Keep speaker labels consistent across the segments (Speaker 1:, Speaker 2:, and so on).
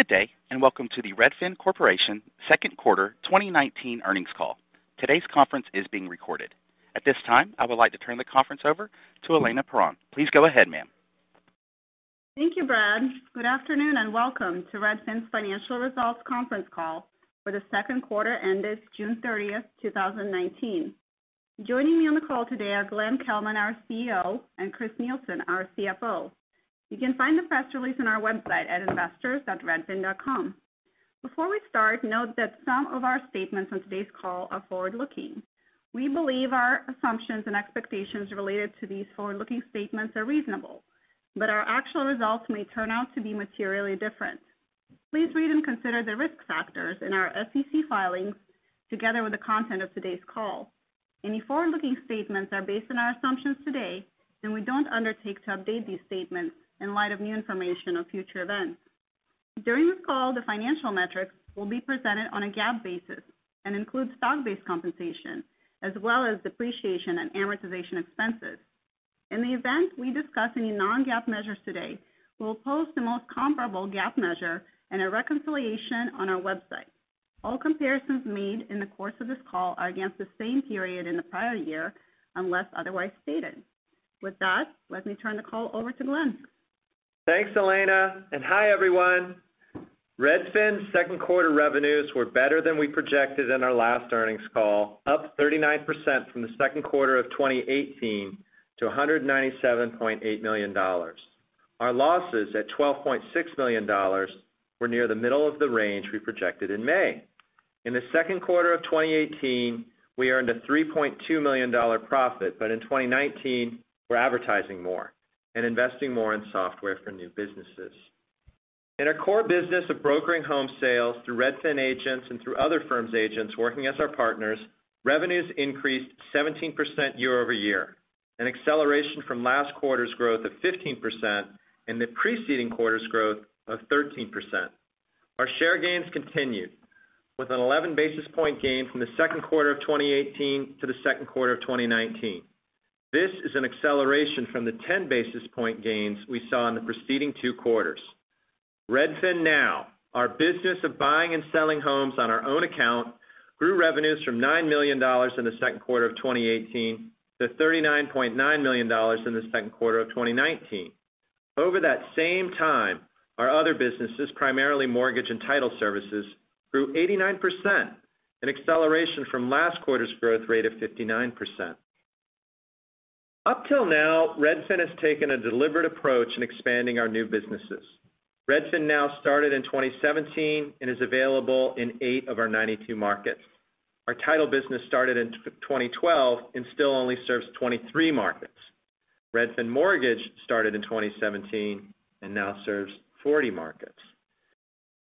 Speaker 1: Good day, and welcome to the Redfin Corporation second quarter 2019 earnings call. Today's conference is being recorded. At this time, I would like to turn the conference over to Elena Perron. Please go ahead, ma'am.
Speaker 2: Thank you, Brad. Good afternoon, and welcome to Redfin's Financial Results Conference Call for the second quarter ended June 30th, 2019. Joining me on the call today are Glenn Kelman, our CEO, and Chris Nielsen, our CFO. You can find the press release on our website at investors.redfin.com. Before we start, note that some of our statements on today's call are forward-looking. We believe our assumptions and expectations related to these forward-looking statements are reasonable, but our actual results may turn out to be materially different. Please read and consider the risk factors in our SEC filings together with the content of today's call. Any forward-looking statements are based on our assumptions today, and we don't undertake to update these statements in light of new information or future events. During this call, the financial metrics will be presented on a GAAP basis and includes stock-based compensation as well as depreciation and amortization expenses. In the event we discuss any non-GAAP measures today, we will post the most comparable GAAP measure and a reconciliation on our website. All comparisons made in the course of this call are against the same period in the prior year, unless otherwise stated. With that, let me turn the call over to Glenn.
Speaker 3: Thanks, Elena. Hi, everyone. Redfin's second quarter revenues were better than we projected in our last earnings call, up 39% from the second quarter of 2018 to $197.8 million. Our losses at $12.6 million were near the middle of the range we projected in May. In the second quarter of 2018, we earned a $3.2 million profit, but in 2019, we're advertising more and investing more in software for new businesses. In our core business of brokering home sales through Redfin agents and through other firms' agents working as our partners, revenues increased 17% year-over-year, an acceleration from last quarter's growth of 15% and the preceding quarter's growth of 13%. Our share gains continued with an 11-basis-point gain from the second quarter of 2018 to the second quarter of 2019. This is an acceleration from the 10-basis-point gains we saw in the preceding two quarters. RedfinNow, our business of buying and selling homes on our own account, grew revenues from $9 million in the second quarter of 2018 to $39.9 million in the second quarter of 2019. Over that same time, our other businesses, primarily mortgage and title services, grew 89%, an acceleration from last quarter's growth rate of 59%. Up till now, Redfin has taken a deliberate approach in expanding our new businesses. RedfinNow started in 2017 and is available in eight of our 92 markets. Our title business started in 2012 and still only serves 23 markets. Redfin Mortgage started in 2017 and now serves 40 markets.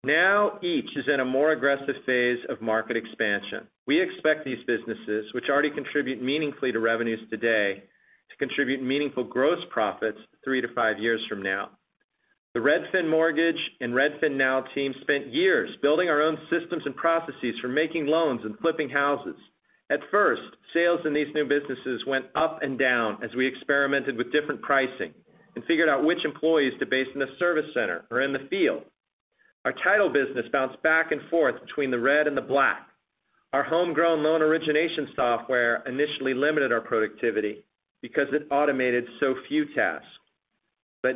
Speaker 3: Now each is in a more aggressive phase of market expansion. We expect these businesses, which already contribute meaningfully to revenues today, to contribute meaningful gross profits three to five years from now. The Redfin Mortgage and RedfinNow team spent years building our own systems and processes for making loans and flipping houses. At first, sales in these new businesses went up and down as we experimented with different pricing and figured out which employees to base in the service center or in the field. Our title business bounced back and forth between the red and the black. Our homegrown loan origination software initially limited our productivity because it automated so few tasks.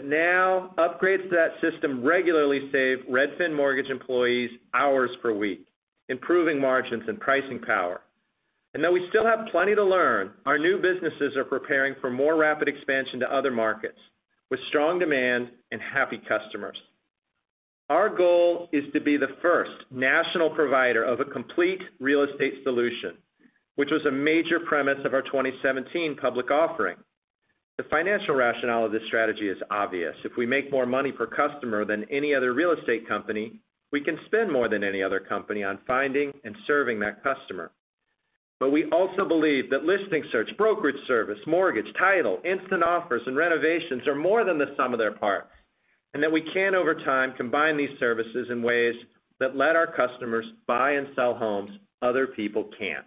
Speaker 3: Now, upgrades to that system regularly save Redfin Mortgage employees hours per week, improving margins and pricing power. Though we still have plenty to learn, our new businesses are preparing for more rapid expansion to other markets with strong demand and happy customers. Our goal is to be the first national provider of a complete real estate solution, which was a major premise of our 2017 public offering. The financial rationale of this strategy is obvious. If we make more money per customer than any other real estate company, we can spend more than any other company on finding and serving that customer. We also believe that listing search, brokerage service, mortgage, title, instant offers, and renovations are more than the sum of their parts, and that we can, over time, combine these services in ways that let our customers buy and sell homes other people can't.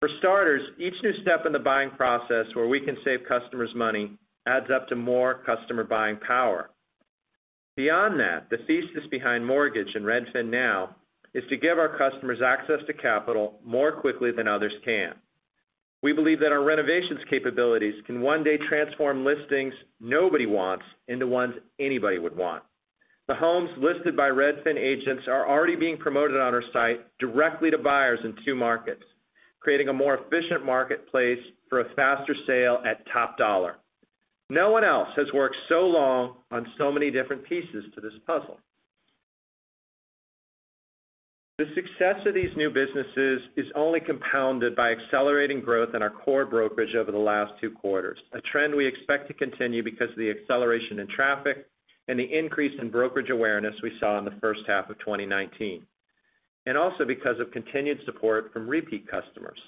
Speaker 3: For starters, each new step in the buying process where we can save customers money adds up to more customer buying power. Beyond that, the thesis behind Mortgage and RedfinNow is to give our customers access to capital more quickly than others can. We believe that our renovations capabilities can one day transform listings nobody wants into ones anybody would want. The homes listed by Redfin agents are already being promoted on our site directly to buyers in two markets, creating a more efficient marketplace for a faster sale at top dollar. No one else has worked so long on so many different pieces to this puzzle. The success of these new businesses is only compounded by accelerating growth in our core brokerage over the last two quarters, a trend we expect to continue because of the acceleration in traffic and the increase in brokerage awareness we saw in the first half of 2019, and also because of continued support from repeat customers.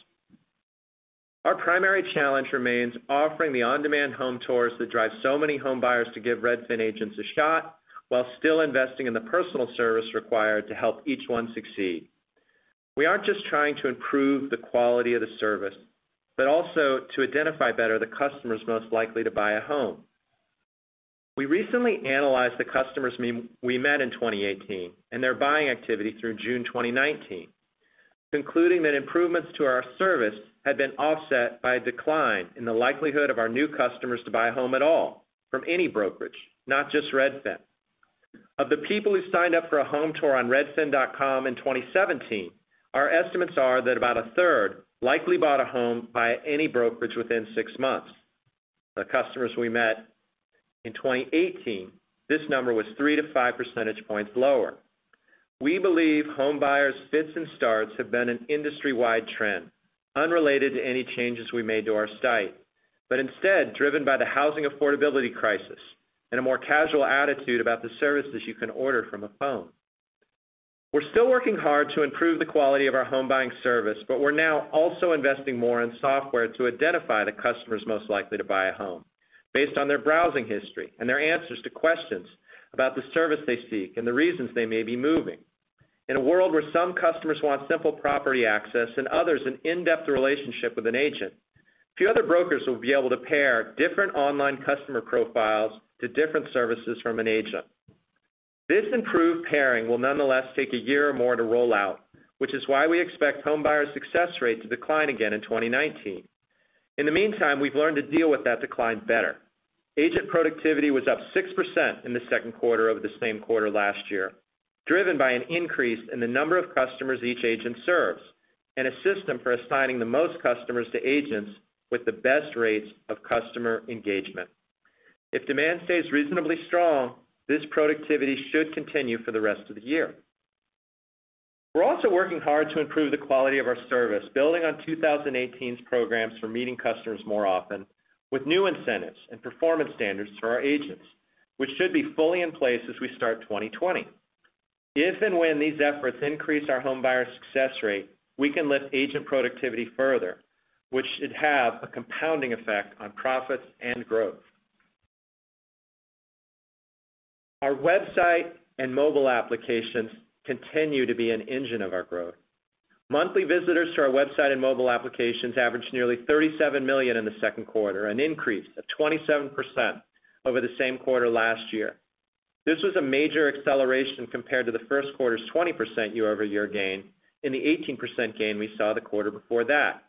Speaker 3: Our primary challenge remains offering the on-demand home tours that drive so many home buyers to give Redfin agents a shot while still investing in the personal service required to help each one succeed. We aren't just trying to improve the quality of the service, but also to identify better the customers most likely to buy a home. We recently analyzed the customers we met in 2018, and their buying activity through June 2019, concluding that improvements to our service had been offset by a decline in the likelihood of our new customers to buy a home at all from any brokerage, not just Redfin. Of the people who signed up for a home tour on redfin.com in 2017, our estimates are that about a third likely bought a home by any brokerage within six months. The customers we met in 2018, this number was three to five percentage points lower. We believe home buyers' fits and starts have been an industry-wide trend, unrelated to any changes we made to our site, but instead driven by the housing affordability crisis and a more casual attitude about the services you can order from a phone. We're still working hard to improve the quality of our home buying service, but we're now also investing more in software to identify the customers most likely to buy a home based on their browsing history and their answers to questions about the service they seek and the reasons they may be moving. In a world where some customers want simple property access and others an in-depth relationship with an agent, few other brokers will be able to pair different online customer profiles to different services from an agent. This improved pairing will nonetheless take a year or more to roll out, which is why we expect home buyer success rate to decline again in 2019. In the meantime, we've learned to deal with that decline better. Agent productivity was up 6% in the second quarter over the same quarter last year, driven by an increase in the number of customers each agent serves, and a system for assigning the most customers to agents with the best rates of customer engagement. If demand stays reasonably strong, this productivity should continue for the rest of the year. We're also working hard to improve the quality of our service, building on 2018's programs for meeting customers more often with new incentives and performance standards for our agents, which should be fully in place as we start 2020. If and when these efforts increase our home buyer success rate, we can lift agent productivity further, which should have a compounding effect on profits and growth. Our website and mobile applications continue to be an engine of our growth. Monthly visitors to our website and mobile applications averaged nearly 37 million in the second quarter, an increase of 27% over the same quarter last year. This was a major acceleration compared to the first quarter's 20% year-over-year gain and the 18% gain we saw the quarter before that.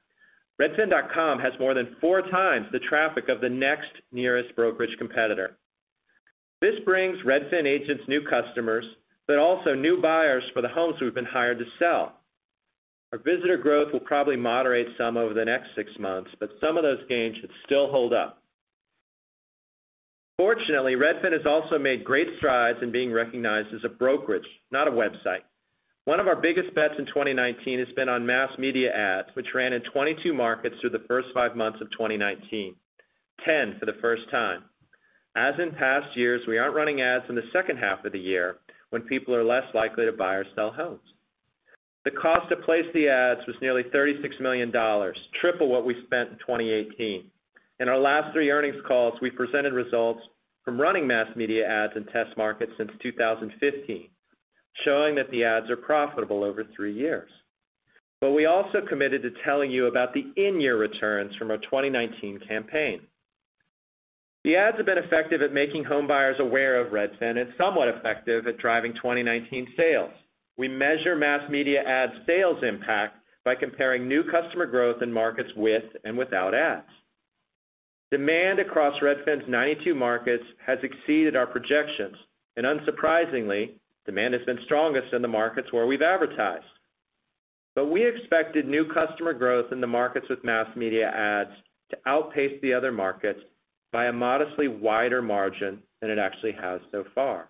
Speaker 3: redfin.com has more than four times the traffic of the next nearest brokerage competitor. This brings Redfin agents new customers, but also new buyers for the homes we've been hired to sell. Our visitor growth will probably moderate some over the next six months, but some of those gains should still hold up. Fortunately, Redfin has also made great strides in being recognized as a brokerage, not a website. One of our biggest bets in 2019 has been on mass media ads, which ran in 22 markets through the first five months of 2019, 10 for the first time. As in past years, we aren't running ads in the second half of the year when people are less likely to buy or sell homes. The cost to place the ads was nearly $36 million, triple what we spent in 2018. In our last three earnings calls, we presented results from running mass media ads in test markets since 2015, showing that the ads are profitable over three years. We also committed to telling you about the in-year returns from our 2019 campaign. The ads have been effective at making home buyers aware of Redfin and somewhat effective at driving 2019 sales. We measure mass media ads' sales impact by comparing new customer growth in markets with and without ads. Demand across Redfin's 92 markets has exceeded our projections. Unsurprisingly, demand has been strongest in the markets where we've advertised. We expected new customer growth in the markets with mass media ads to outpace the other markets by a modestly wider margin than it actually has so far.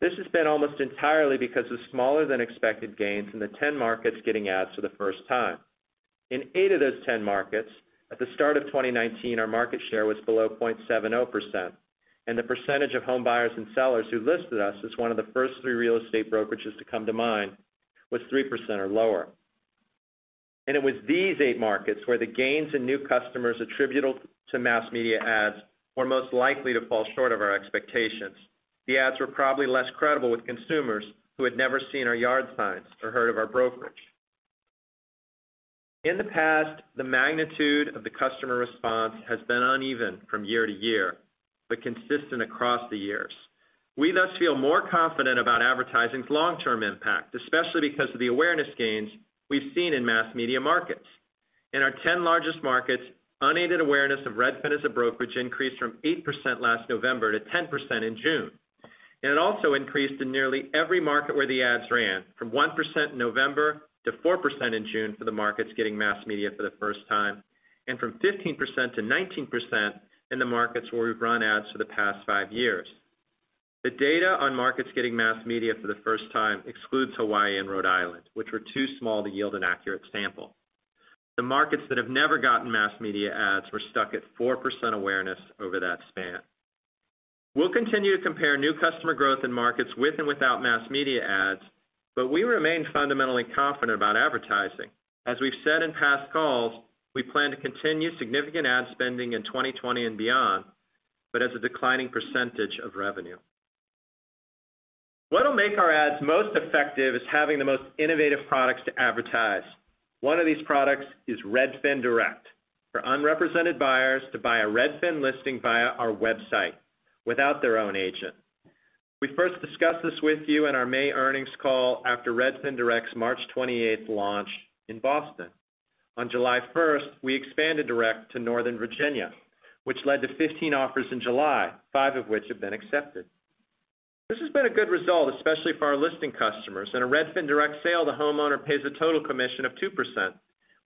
Speaker 3: This has been almost entirely because of smaller than expected gains in the 10 markets getting ads for the first time. In eight of those 10 markets, at the start of 2019, our market share was below 0.70%. The percentage of home buyers and sellers who listed us as one of the first three real estate brokerages to come to mind was 3% or lower. It was these eight markets where the gains in new customers attributable to mass media ads were most likely to fall short of our expectations. The ads were probably less credible with consumers who had never seen our yard signs or heard of our brokerage. In the past, the magnitude of the customer response has been uneven from year to year, but consistent across the years. We thus feel more confident about advertising's long-term impact, especially because of the awareness gains we've seen in mass media markets. In our 10 largest markets, unaided awareness of Redfin as a brokerage increased from 8% last November to 10% in June. It also increased in nearly every market where the ads ran, from 1% in November to 4% in June for the markets getting mass media for the first time, and from 15%-19% in the markets where we've run ads for the past five years. The data on markets getting mass media for the first time excludes Hawaii and Rhode Island, which were too small to yield an accurate sample. The markets that have never gotten mass media ads were stuck at 4% awareness over that span. We'll continue to compare new customer growth in markets with and without mass media ads, but we remain fundamentally confident about advertising. As we've said in past calls, we plan to continue significant ad spending in 2020 and beyond, but as a declining percentage of revenue. What'll make our ads most effective is having the most innovative products to advertise. One of these products is Redfin Direct, for unrepresented buyers to buy a Redfin listing via our website without their own agent. We first discussed this with you in our May earnings call after Redfin Direct's March 28th launch in Boston. On July 1st, we expanded Direct to Northern Virginia, which led to 15 offers in July, five of which have been accepted. This has been a good result, especially for our listing customers. In a Redfin Direct sale, the homeowner pays a total commission of 2%,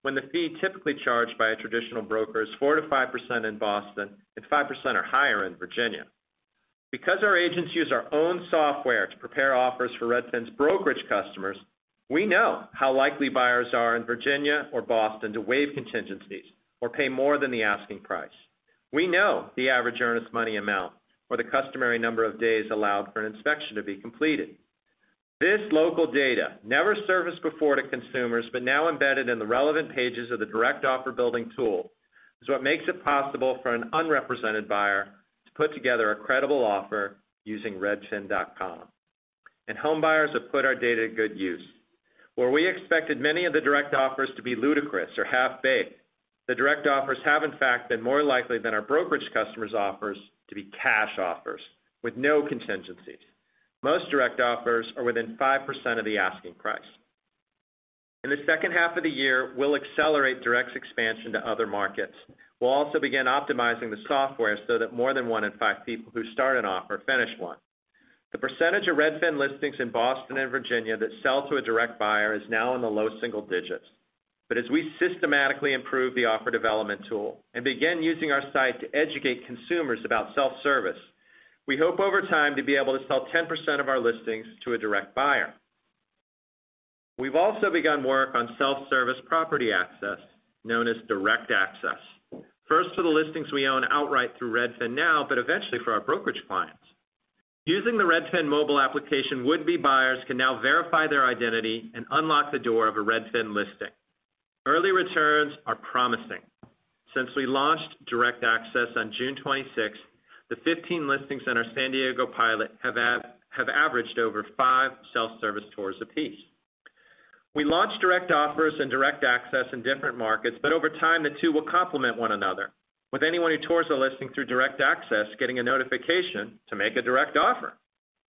Speaker 3: when the fee typically charged by a traditional broker is 4%-5% in Boston and 5% or higher in Virginia. Because our agents use our own software to prepare offers for Redfin's brokerage customers, we know how likely buyers are in Virginia or Boston to waive contingencies or pay more than the asking price. We know the average earnest money amount or the customary number of days allowed for an an inspection to be completed. This local data, never serviced before to consumers, but now embedded in the relevant pages of the Direct offer-building tool, is what makes it possible for an unrepresented buyer to put together a credible offer using redfin.com. Home buyers have put our data to good use. Where we expected many of the Direct offers to be ludicrous or half-baked, the Direct offers have, in fact, been more likely than our brokerage customers' offers to be cash offers with no contingencies. Most Direct offers are within 5% of the asking price. In the second half of the year, we'll accelerate Direct's expansion to other markets. We'll also begin optimizing the software so that more than one in five people who start an offer finish one. The percentage of Redfin listings in Boston and Virginia that sell to a direct buyer is now in the low single digits. As we systematically improve the offer development tool and begin using our site to educate consumers about self-service, we hope, over time, to be able to sell 10% of our listings to a direct buyer. We've also begun work on self-service property access, known as Direct Access, first to the listings we own outright through RedfinNow, but eventually for our brokerage clients. Using the Redfin mobile application, would-be buyers can now verify their identity and unlock the door of a Redfin listing. Early returns are promising. Since we launched Direct Access on June 26th, the 15 listings in our San Diego pilot have averaged over five self-service tours apiece. We launched Direct Offers and Direct Access in different markets, but over time, the two will complement one another, with anyone who tours a listing through Direct Access getting a notification to make a Direct Offer.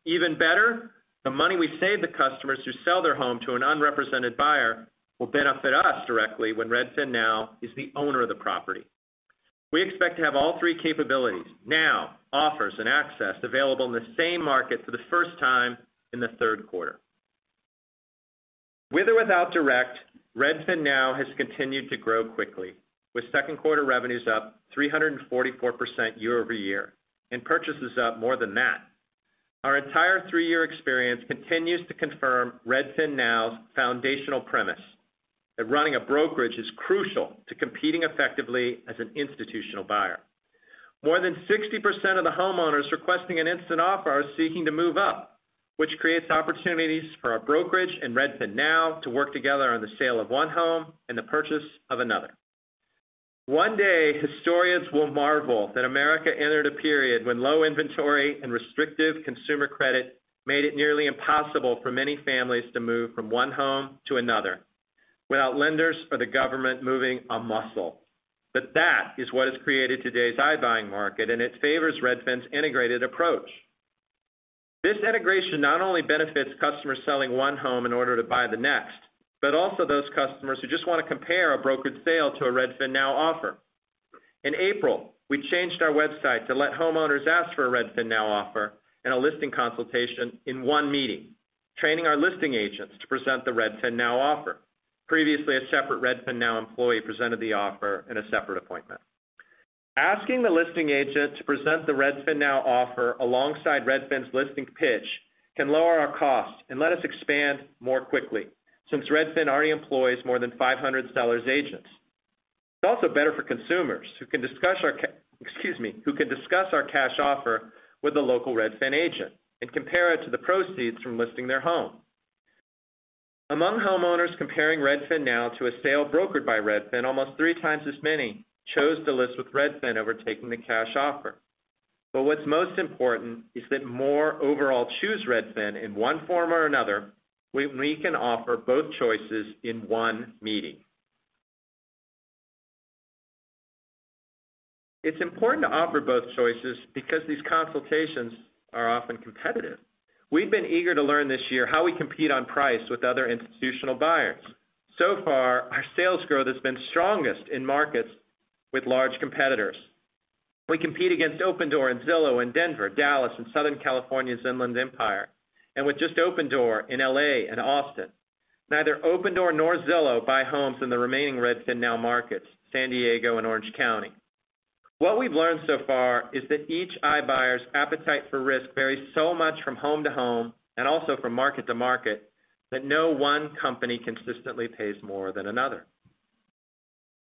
Speaker 3: Even better, the money we save the customers who sell their home to an unrepresented buyer will benefit us directly when RedfinNow is the owner of the property. We expect to have all three capabilities, Now, Offers, and Access, available in the same market for the first time in the third quarter. With or without Direct, RedfinNow has continued to grow quickly, with second quarter revenues up 344% year-over-year and purchases up more than that. Our entire three-year experience continues to confirm RedfinNow's foundational premise, that running a brokerage is crucial to competing effectively as an institutional buyer. More than 60% of the homeowners requesting an instant offer are seeking to move up, which creates opportunities for our brokerage and RedfinNow to work together on the sale of one home and the purchase of another. One day, historians will marvel that America entered a period when low inventory and restrictive consumer credit made it nearly impossible for many families to move from one home to another without lenders or the government moving a muscle. That is what has created today's iBuying market, and it favors Redfin's integrated approach. This integration not only benefits customers selling one home in order to buy the next, but also those customers who just want to compare a brokered sale to a RedfinNow offer. In April, we changed our website to let homeowners ask for a RedfinNow offer and a listing consultation in one meeting, training our listing agents to present the RedfinNow offer. Previously, a separate RedfinNow employee presented the offer in a separate appointment. Asking the listing agent to present the RedfinNow offer alongside Redfin's listing pitch can lower our cost and let us expand more quickly, since Redfin already employs more than 500 sellers' agents. It's also better for consumers who can discuss our cash offer with a local Redfin agent and compare it to the proceeds from listing their home. Among homeowners comparing RedfinNow to a sale brokered by Redfin, almost three times as many chose to list with Redfin over taking the cash offer. What's most important is that more overall choose Redfin in one form or another when we can offer both choices in one meeting. It's important to offer both choices because these consultations are often competitive. We've been eager to learn this year how we compete on price with other institutional buyers. So far, our sales growth has been strongest in markets with large competitors. We compete against Opendoor and Zillow in Denver, Dallas, and Southern California's Inland Empire, and with just Opendoor in L.A. and Austin. Neither Opendoor nor Zillow buy homes in the remaining RedfinNow markets, San Diego and Orange County. What we've learned so far is that each iBuyer's appetite for risk varies so much from home to home and also from market to market, that no one company consistently pays more than another.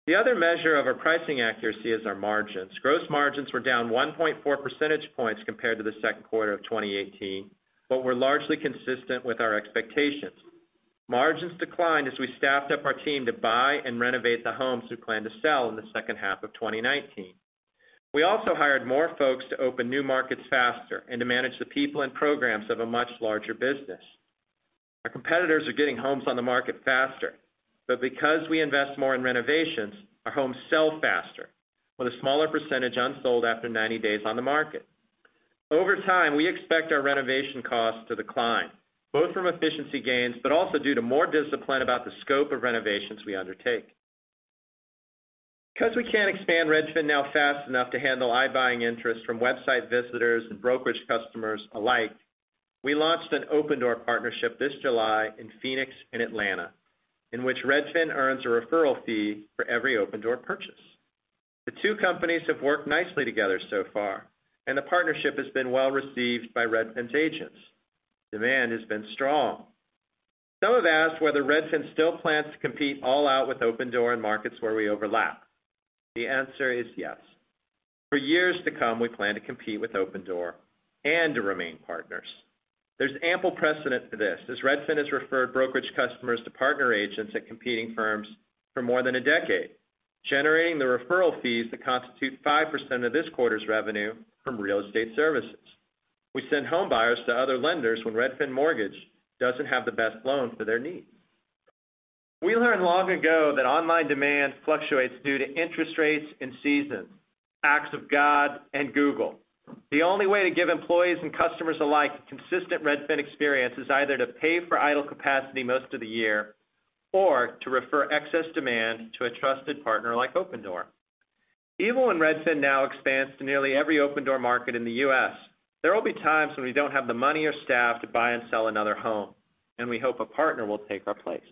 Speaker 3: The other measure of our pricing accuracy is our margins. Gross margins were down 1.4 percentage points compared to the second quarter of 2018, but were largely consistent with our expectations. Margins declined as we staffed up our team to buy and renovate the homes we plan to sell in the second half of 2019. We also hired more folks to open new markets faster and to manage the people and programs of a much larger business. Our competitors are getting homes on the market faster, but because we invest more in renovations, our homes sell faster, with a smaller percentage unsold after 90 days on the market. Over time, we expect our renovation costs to decline, both from efficiency gains, but also due to more discipline about the scope of renovations we undertake. Because we can't expand RedfinNow fast enough to handle iBuying interest from website visitors and brokerage customers alike, we launched an Opendoor partnership this July in Phoenix and Atlanta, in which Redfin earns a referral fee for every Opendoor purchase. The two companies have worked nicely together so far, and the partnership has been well-received by Redfin's agents. Demand has been strong. Some have asked whether Redfin still plans to compete all out with Opendoor in markets where we overlap. The answer is yes. For years to come, we plan to compete with Opendoor and to remain partners. There's ample precedent to this, as Redfin has referred brokerage customers to partner agents at competing firms for more than a decade, generating the referral fees that constitute 5% of this quarter's revenue from real estate services. We send home buyers to other lenders when Redfin Mortgage doesn't have the best loan for their needs. We learned long ago that online demand fluctuates due to interest rates and seasons, acts of God and Google. The only way to give employees and customers alike a consistent Redfin experience is either to pay for idle capacity most of the year, or to refer excess demand to a trusted partner like Opendoor. Even when RedfinNow expands to nearly every Opendoor market in the U.S., there will be times when we don't have the money or staff to buy and sell another home, and we hope a partner will take our place.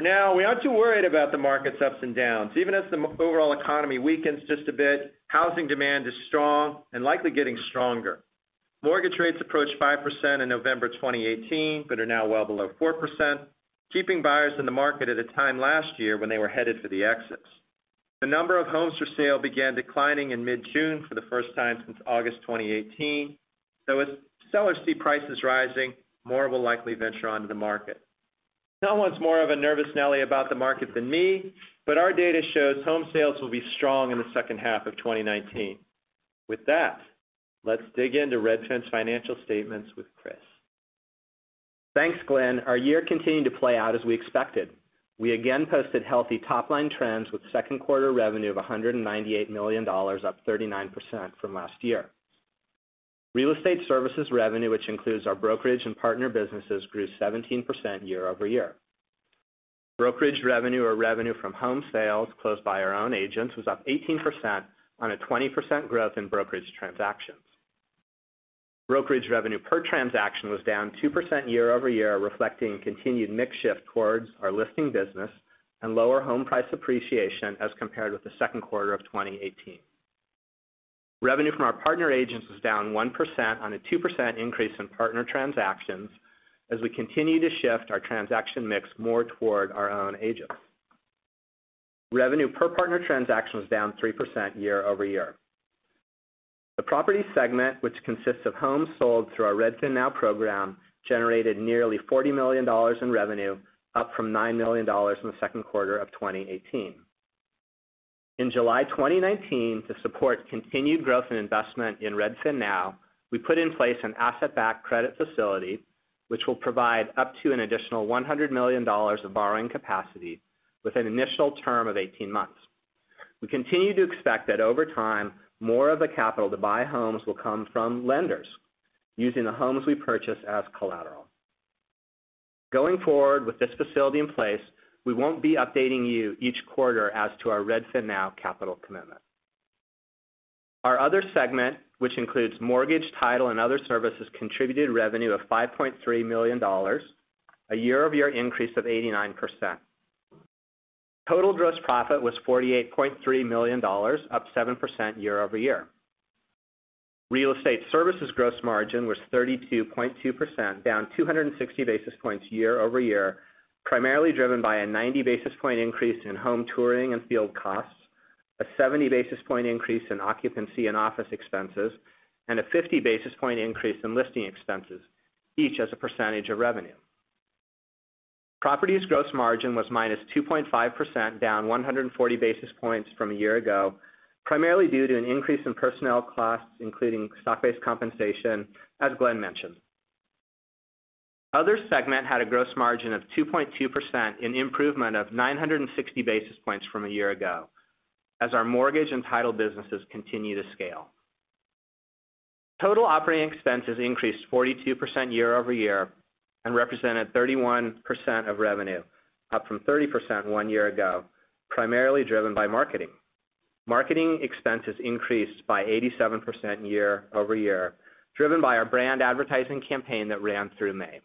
Speaker 3: For now, we aren't too worried about the market's ups and downs. Even as the overall economy weakens just a bit, housing demand is strong and likely getting stronger. Mortgage rates approached 5% in November 2018, but are now well below 4%, keeping buyers in the market at a time last year when they were headed for the exits. The number of homes for sale began declining in mid-June for the first time since August 2018. As sellers see prices rising, more will likely venture onto the market. No one's more of a nervous Nellie about the market than me, but our data shows home sales will be strong in the second half of 2019. With that, let's dig into Redfin's financial statements with Chris.
Speaker 4: Thanks, Glenn. Our year continued to play out as we expected. We again posted healthy top-line trends with second quarter revenue of $198 million, up 39% from last year. Real estate services revenue, which includes our brokerage and partner businesses, grew 17% year-over-year. Brokerage revenue, or revenue from home sales closed by our own agents, was up 18% on a 20% growth in brokerage transactions. Brokerage revenue per transaction was down 2% year-over-year, reflecting continued mix shift towards our listing business and lower home price appreciation as compared with the second quarter of 2018. Revenue from our partner agents was down 1% on a 2% increase in partner transactions, as we continue to shift our transaction mix more toward our own agents. Revenue per partner transaction was down 3% year-over-year. The property segment, which consists of homes sold through our RedfinNow program, generated nearly $40 million in revenue, up from $9 million in the second quarter of 2018. In July 2019, to support continued growth and investment in RedfinNow, we put in place an asset-backed credit facility, which will provide up to an additional $100 million of borrowing capacity with an initial term of 18 months. We continue to expect that over time, more of the capital to buy homes will come from lenders, using the homes we purchase as collateral. Going forward with this facility in place, we won't be updating you each quarter as to our RedfinNow capital commitment. Our other segment, which includes mortgage, title, and other services, contributed revenue of $5.3 million, a year-over-year increase of 89%. Total gross profit was $48.3 million, up 7% year-over-year. Real estate services gross margin was 32.2%, down 260 basis points year-over-year, primarily driven by a 90 basis point increase in home touring and field costs, a 70 basis point increase in occupancy and office expenses, and a 50 basis point increase in listing expenses, each as a percentage of revenue. Properties gross margin was -2.5%, down 140 basis points from a year ago, primarily due to an increase in personnel costs, including stock-based compensation, as Glenn mentioned. Other segment had a gross margin of 2.2%, an improvement of 960 basis points from a year ago, as our mortgage and title businesses continue to scale. Total operating expenses increased 42% year-over-year and represented 31% of revenue, up from 30% one year ago, primarily driven by marketing. Marketing expenses increased by 87% year-over-year, driven by our brand advertising campaign that ran through May.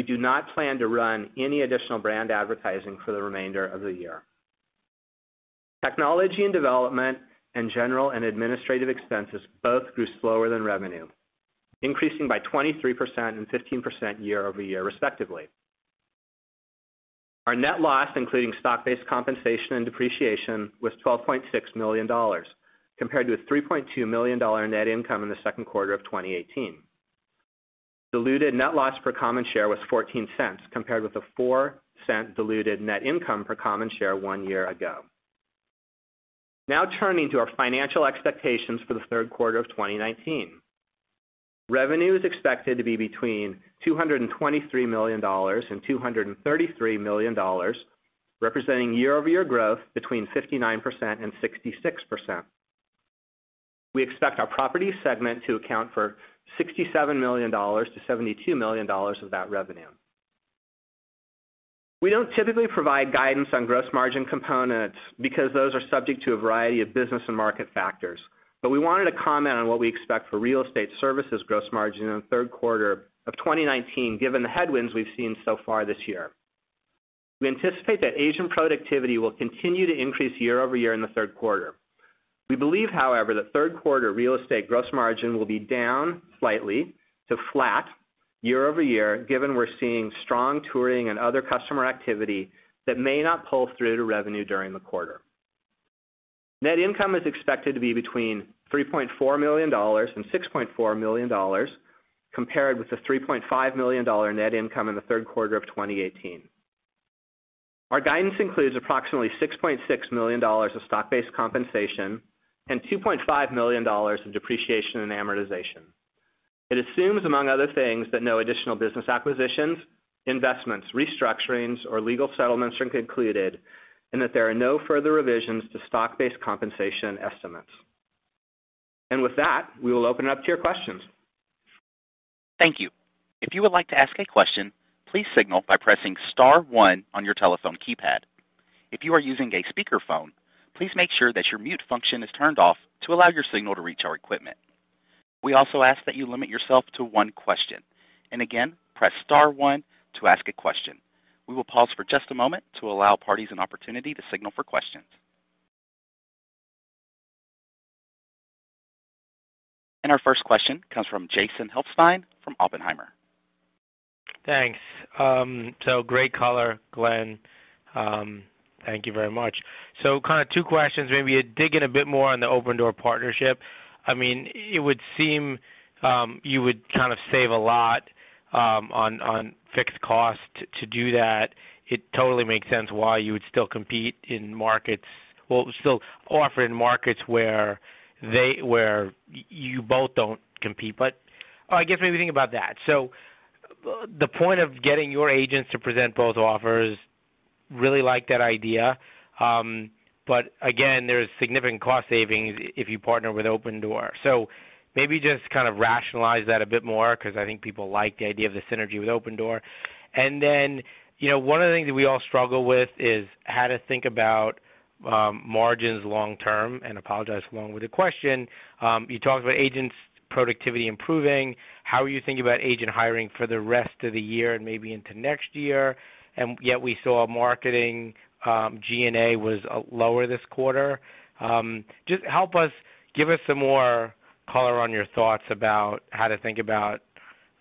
Speaker 4: We do not plan to run any additional brand advertising for the remainder of the year. Technology and development and general and administrative expenses both grew slower than revenue, increasing by 23% and 15% year-over-year, respectively. Our net loss, including stock-based compensation and depreciation, was $12.6 million, compared to a $3.2 million net income in the second quarter of 2018. Diluted net loss per common share was $0.14, compared with a $0.04 diluted net income per common share one year ago. Now turning to our financial expectations for the third quarter of 2019. Revenue is expected to be between $223 million and $233 million, representing year-over-year growth between 59% and 66%. We expect our property segment to account for $67 million to $72 million of that revenue. We don't typically provide guidance on gross margin components because those are subject to a variety of business and market factors. We wanted to comment on what we expect for real estate services gross margin in the third quarter of 2019, given the headwinds we've seen so far this year. We anticipate that agent productivity will continue to increase year-over-year in the third quarter. We believe, however, that third quarter real estate gross margin will be down slightly to flat year-over-year, given we're seeing strong touring and other customer activity that may not pull through to revenue during the quarter. Net income is expected to be between $3.4 million and $6.4 million, compared with the $3.5 million net income in the third quarter of 2018. Our guidance includes approximately $6.6 million of stock-based compensation and $2.5 million in depreciation and amortization. It assumes, among other things, that no additional business acquisitions, investments, restructurings, or legal settlements are included, and that there are no further revisions to stock-based compensation estimates. With that, we will open up to your questions. Thank you. If you would like to ask a question, please signal by pressing *1 on your telephone keypad. If you are using a speakerphone, please make sure that your mute function is turned off to allow your signal to reach our equipment. We also ask that you limit yourself to one question. Again, press *1 to ask a question. We will pause for just a moment to allow parties an opportunity to signal for questions. Our first question comes from Jason Helfstein from Oppenheimer.
Speaker 5: Thanks. Great color, Glenn. Thank you very much. Two questions, maybe dig in a bit more on the Opendoor partnership. It would seem you would save a lot on fixed cost to do that. It totally makes sense why you would still compete in markets, well, still offer in markets where you both don't compete. I guess maybe think about that. The point of getting your agents to present both offers, really like that idea. Again, there's significant cost savings if you partner with Opendoor. Maybe just rationalize that a bit more, because I think people like the idea of the synergy with Opendoor. One of the things that we all struggle with is how to think about margins long term, and apologize for the long-winded question. You talked about agents' productivity improving. How are you thinking about agent hiring for the rest of the year and maybe into next year? Yet we saw marketing G&A was lower this quarter. Just help us, give us some more color on your thoughts about how to think about,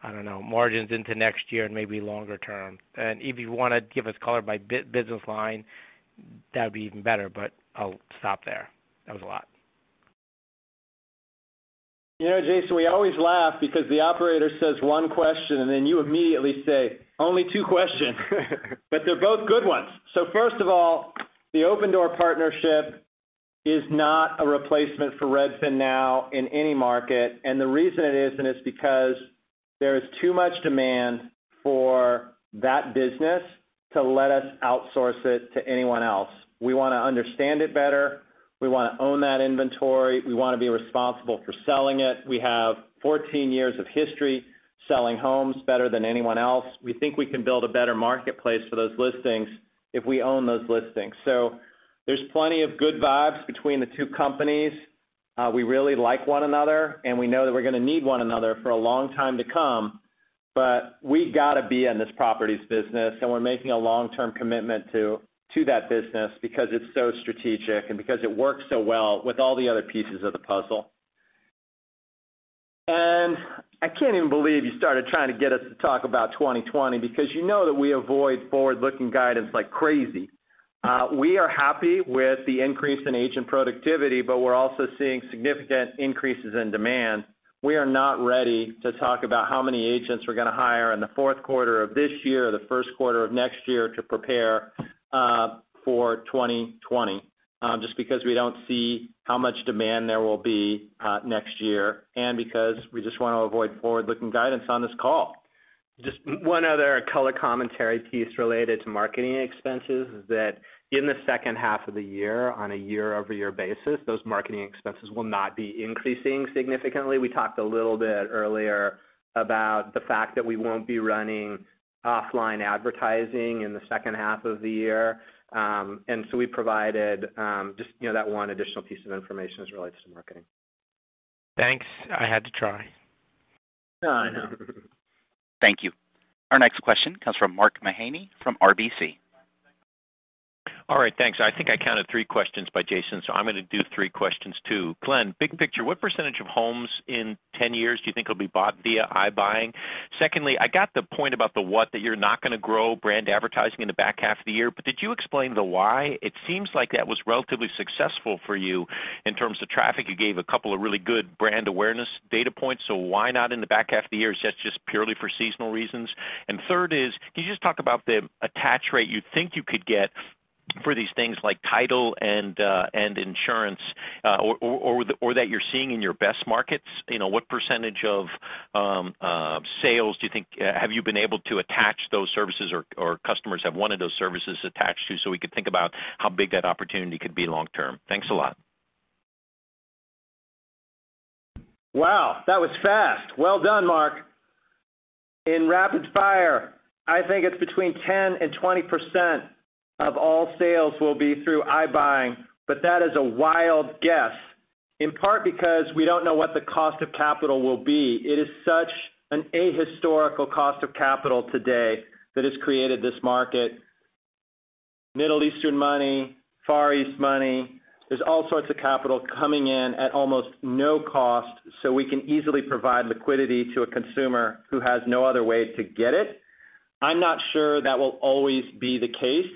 Speaker 5: I don't know, margins into next year and maybe longer term. If you want to give us color by business line, that would be even better, but I'll stop there. That was a lot.
Speaker 3: Jason, we always laugh because the operator says one question, then you immediately say, "Only two questions." They're both good ones. First of all, the Opendoor partnership is not a replacement for RedfinNow in any market. The reason it isn't is because there is too much demand for that business to let us outsource it to anyone else. We want to understand it better. We want to own that inventory. We want to be responsible for selling it. We have 14 years of history selling homes better than anyone else. We think we can build a better marketplace for those listings if we own those listings. There's plenty of good vibes between the two companies. We really like one another, and we know that we're going to need one another for a long time to come. We got to be in this properties business, and we're making a long-term commitment to that business because it's so strategic and because it works so well with all the other pieces of the puzzle. I can't even believe you started trying to get us to talk about 2020, because you know that we avoid forward-looking guidance like crazy. We are happy with the increase in agent productivity, but we're also seeing significant increases in demand. We are not ready to talk about how many agents we're going to hire in the fourth quarter of this year or the first quarter of next year to prepare for 2020, just because we don't see how much demand there will be next year, and because we just want to avoid forward-looking guidance on this call.
Speaker 4: Just one other color commentary piece related to marketing expenses is that in the second half of the year, on a year-over-year basis, those marketing expenses will not be increasing significantly. We talked a little bit earlier about the fact that we won't be running offline advertising in the second half of the year. We provided just that one additional piece of information as it relates to marketing.
Speaker 5: Thanks. I had to try.
Speaker 4: No, I know. Thank you. Our next question comes from Mark Mahaney from RBC.
Speaker 6: All right. Thanks. I think I counted three questions by Jason, so I'm going to do three questions too. Glenn, big picture, what % of homes in 10 years do you think will be bought via iBuying? Secondly, I got the point about the what, that you're not going to grow brand advertising in the back half of the year. Did you explain the why? It seems like that was relatively successful for you in terms of traffic. You gave a couple of really good brand awareness data points, so why not in the back half of the year? Is that just purely for seasonal reasons? Third is, can you just talk about the attach rate you think you could get for these things like title and insurance, or that you're seeing in your best markets? What % of sales do you think, have you been able to attach those services or customers have wanted those services attached to, so we could think about how big that opportunity could be long term? Thanks a lot.
Speaker 3: Wow, that was fast. Well done, Mark. In rapid fire, I think it's between 10% and 20% of all sales will be through iBuying, that is a wild guess, in part because we don't know what the cost of capital will be. It is such an ahistorical cost of capital today that has created this market. Middle Eastern money, Far East money. There's all sorts of capital coming in at almost no cost, we can easily provide liquidity to a consumer who has no other way to get it. I'm not sure that will always be the case.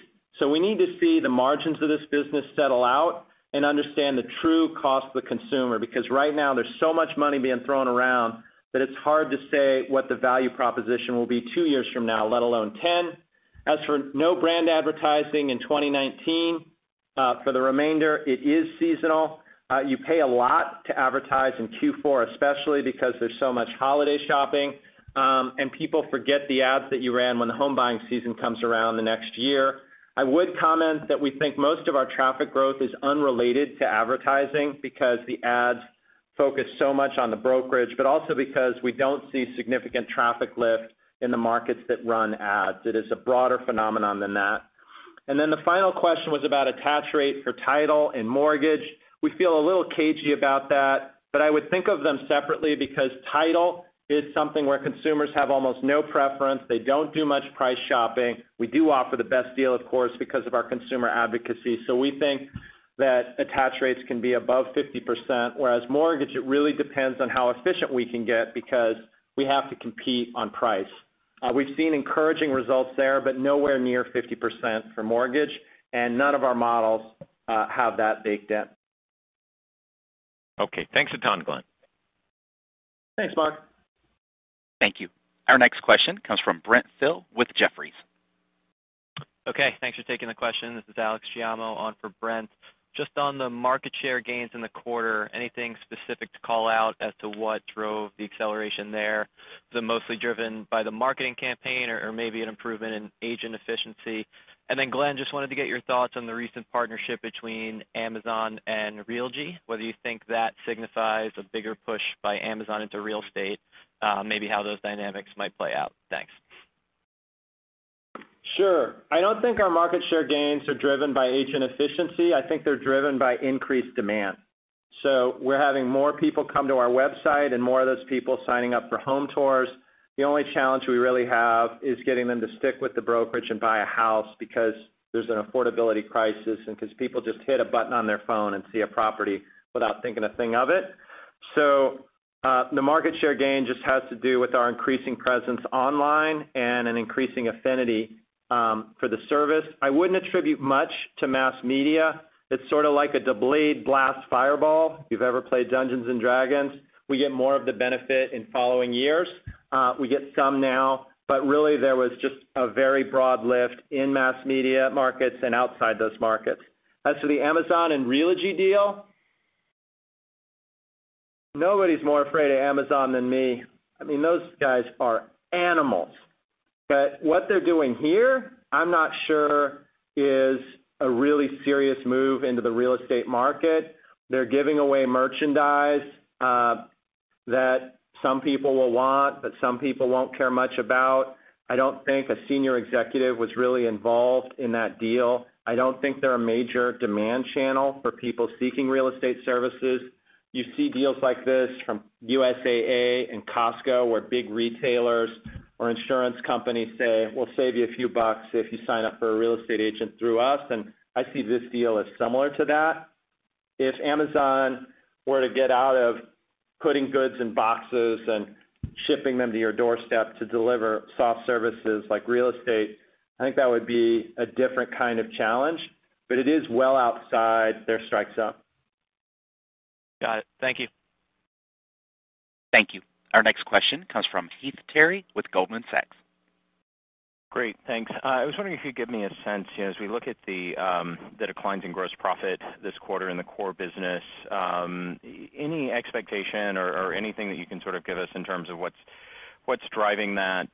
Speaker 3: We need to see the margins of this business settle out and understand the true cost to the consumer, because right now there's so much money being thrown around that it's hard to say what the value proposition will be two years from now, let alone 10. As for no brand advertising in 2019, for the remainder, it is seasonal. You pay a lot to advertise in Q4, especially because there's so much holiday shopping. People forget the ads that you ran when the home buying season comes around the next year. I would comment that we think most of our traffic growth is unrelated to advertising because the ads focus so much on the brokerage, but also because we don't see significant traffic lift in the markets that run ads. It is a broader phenomenon than that. Then the final question was about attach rate for title and mortgage. We feel a little cagey about that, but I would think of them separately because title is something where consumers have almost no preference. They don't do much price shopping. We do offer the best deal, of course, because of our consumer advocacy. We think that attach rates can be above 50%, whereas mortgage, it really depends on how efficient we can get because we have to compete on price. We've seen encouraging results there, but nowhere near 50% for mortgage, and none of our models have that baked in.
Speaker 6: Okay, thanks a ton, Glenn.
Speaker 3: Thanks, Mark.
Speaker 1: Thank you. Our next question comes from Brent Thill with Jefferies.
Speaker 7: Okay, thanks for taking the question. This is Alex Giaimo on for Brent. Just on the market share gains in the quarter, anything specific to call out as to what drove the acceleration there? Is it mostly driven by the marketing campaign or maybe an improvement in agent efficiency? Glenn, just wanted to get your thoughts on the recent partnership between Amazon and Realogy, whether you think that signifies a bigger push by Amazon into real estate, maybe how those dynamics might play out. Thanks.
Speaker 3: Sure. I don't think our market share gains are driven by agent efficiency. I think they're driven by increased demand. We're having more people come to our website and more of those people signing up for home tours. The only challenge we really have is getting them to stick with the brokerage and buy a house because there's an affordability crisis, and because people just hit a button on their phone and see a property without thinking a thing of it. The market share gain just has to do with our increasing presence online and an increasing affinity for the service. I wouldn't attribute much to mass media. It's sort of like a delayed blast fireball, if you've ever played Dungeons & Dragons. We get more of the benefit in following years. We get some now, but really there was just a very broad lift in mass media markets and outside those markets. As to the Amazon and Realogy deal, nobody's more afraid of Amazon than me. Those guys are animals. What they're doing here, I'm not sure is a really serious move into the real estate market. They're giving away merchandise that some people will want, but some people won't care much about. I don't think a senior executive was really involved in that deal. I don't think they're a major demand channel for people seeking real estate services. You see deals like this from USAA and Costco, where big retailers or insurance companies say, "We'll save you a few bucks if you sign up for a real estate agent through us." I see this deal as similar to that. If Amazon were to get out of putting goods in boxes and shipping them to your doorstep to deliver soft services like real estate, I think that would be a different kind of challenge. It is well outside their strike zone.
Speaker 7: Got it. Thank you.
Speaker 1: Thank you. Our next question comes from Heath Terry with Goldman Sachs.
Speaker 8: Great. Thanks. I was wondering if you could give me a sense, as we look at the declines in gross profit this quarter in the core business, any expectation or anything that you can sort of give us in terms of what's driving that,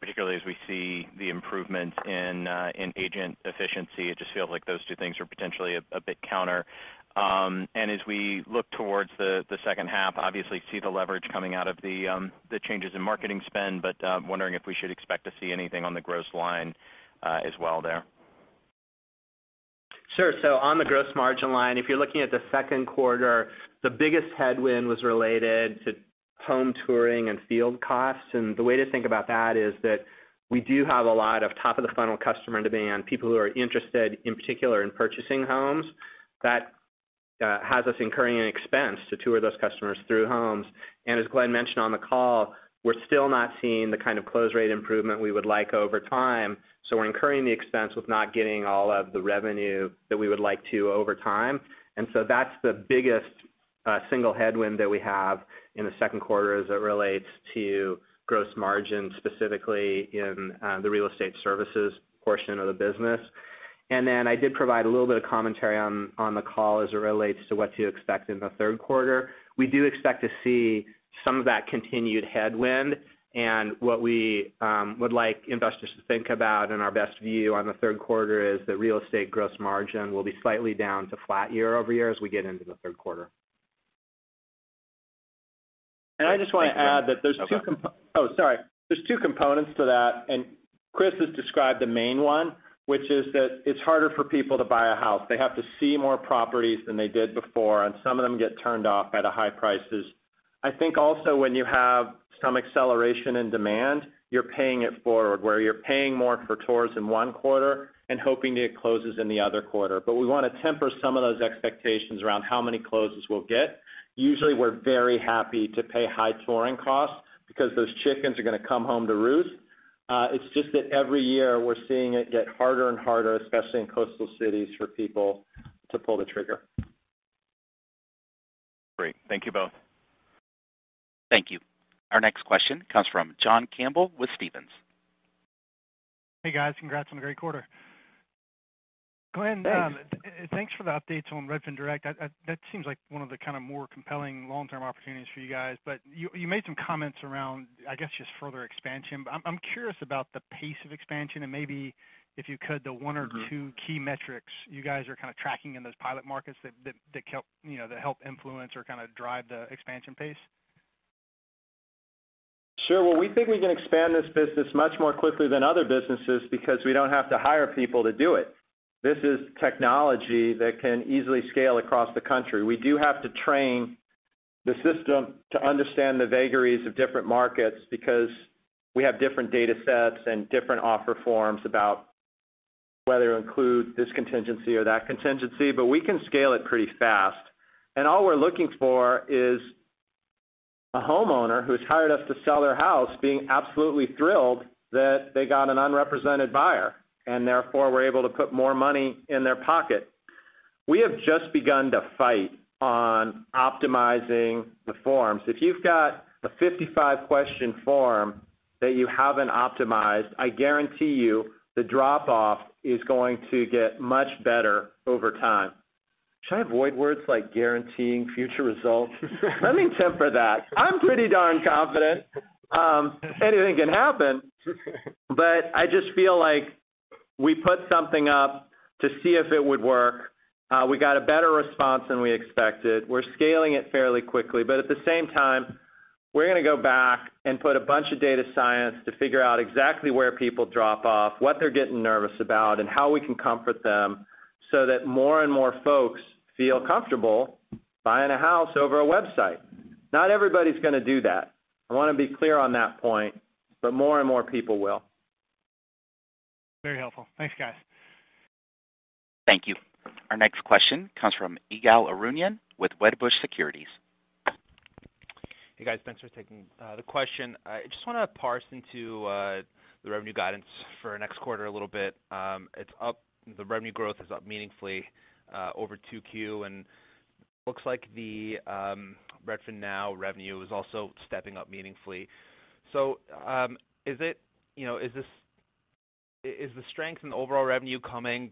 Speaker 8: particularly as we see the improvements in agent efficiency? It just feels like those two things are potentially a bit counter. As we look towards the second half, obviously see the leverage coming out of the changes in marketing spend, but wondering if we should expect to see anything on the gross line as well there.
Speaker 4: Sure. On the gross margin line, if you're looking at the second quarter, the biggest headwind was related to home touring and field costs. The way to think about that is that we do have a lot of top-of-the-funnel customer demand, people who are interested, in particular, in purchasing homes. That has us incurring an expense to tour those customers through homes. As Glenn mentioned on the call, we're still not seeing the kind of close rate improvement we would like over time, so we're incurring the expense with not getting all of the revenue that we would like to over time. That's the biggest single headwind that we have in the second quarter as it relates to gross margin, specifically in the real estate services portion of the business. I did provide a little bit of commentary on the call as it relates to what to expect in the third quarter. We do expect to see some of that continued headwind. What we would like investors to think about in our best view on the third quarter is that real estate gross margin will be slightly down to flat year-over-year as we get into the third quarter.
Speaker 3: I just want to add that there's two components to that, and Chris has described the main one, which is that it's harder for people to buy a house. They have to see more properties than they did before, and some of them get turned off by the high prices. I think also when you have some acceleration in demand, you're paying it forward, where you're paying more for tours in one quarter and hoping it closes in the other quarter. We want to temper some of those expectations around how many closes we'll get. Usually, we're very happy to pay high touring costs because those chickens are going to come home to roost. It's just that every year, we're seeing it get harder and harder, especially in coastal cities, for people to pull the trigger.
Speaker 8: Great. Thank you both.
Speaker 1: Thank you. Our next question comes from John Campbell with Stephens.
Speaker 9: Hey, guys. Congrats on a great quarter.
Speaker 3: Hey.
Speaker 9: Glenn, thanks for the updates on Redfin Direct. That seems like one of the more compelling long-term opportunities for you guys. You made some comments around, I guess, just further expansion. I'm curious about the pace of expansion and maybe, if you could, the one or two key metrics you guys are tracking in those pilot markets that help influence or drive the expansion pace.
Speaker 3: Sure. Well, we think we can expand this business much more quickly than other businesses because we don't have to hire people to do it. This is technology that can easily scale across the country. We do have to train the system to understand the vagaries of different markets because we have different data sets and different offer forms about whether to include this contingency or that contingency. We can scale it pretty fast. All we're looking for is a homeowner who's hired us to sell their house being absolutely thrilled that they got an unrepresented buyer, and therefore, were able to put more money in their pocket. We have just begun to fight on optimizing the forms. If you've got a 55-question form that you haven't optimized, I guarantee you the drop-off is going to get much better over time. Should I avoid words like guaranteeing future results? Let me temper that. I'm pretty darn confident. Anything can happen, but I just feel like we put something up to see if it would work. We got a better response than we expected. We're scaling it fairly quickly, but at the same time, we're going to go back and put a bunch of data science to figure out exactly where people drop off, what they're getting nervous about, and how we can comfort them so that more and more folks feel comfortable buying a house over a website. Not everybody's going to do that. I want to be clear on that point, but more and more people will.
Speaker 9: Very helpful. Thanks, guys.
Speaker 1: Thank you. Our next question comes from Ygal Arounian with Wedbush Securities.
Speaker 10: Hey, guys. Thanks for taking the question. I just want to parse into the revenue guidance for next quarter a little bit. The revenue growth is up meaningfully over 2Q. Looks like the RedfinNow revenue is also stepping up meaningfully. Is the strength in the overall revenue coming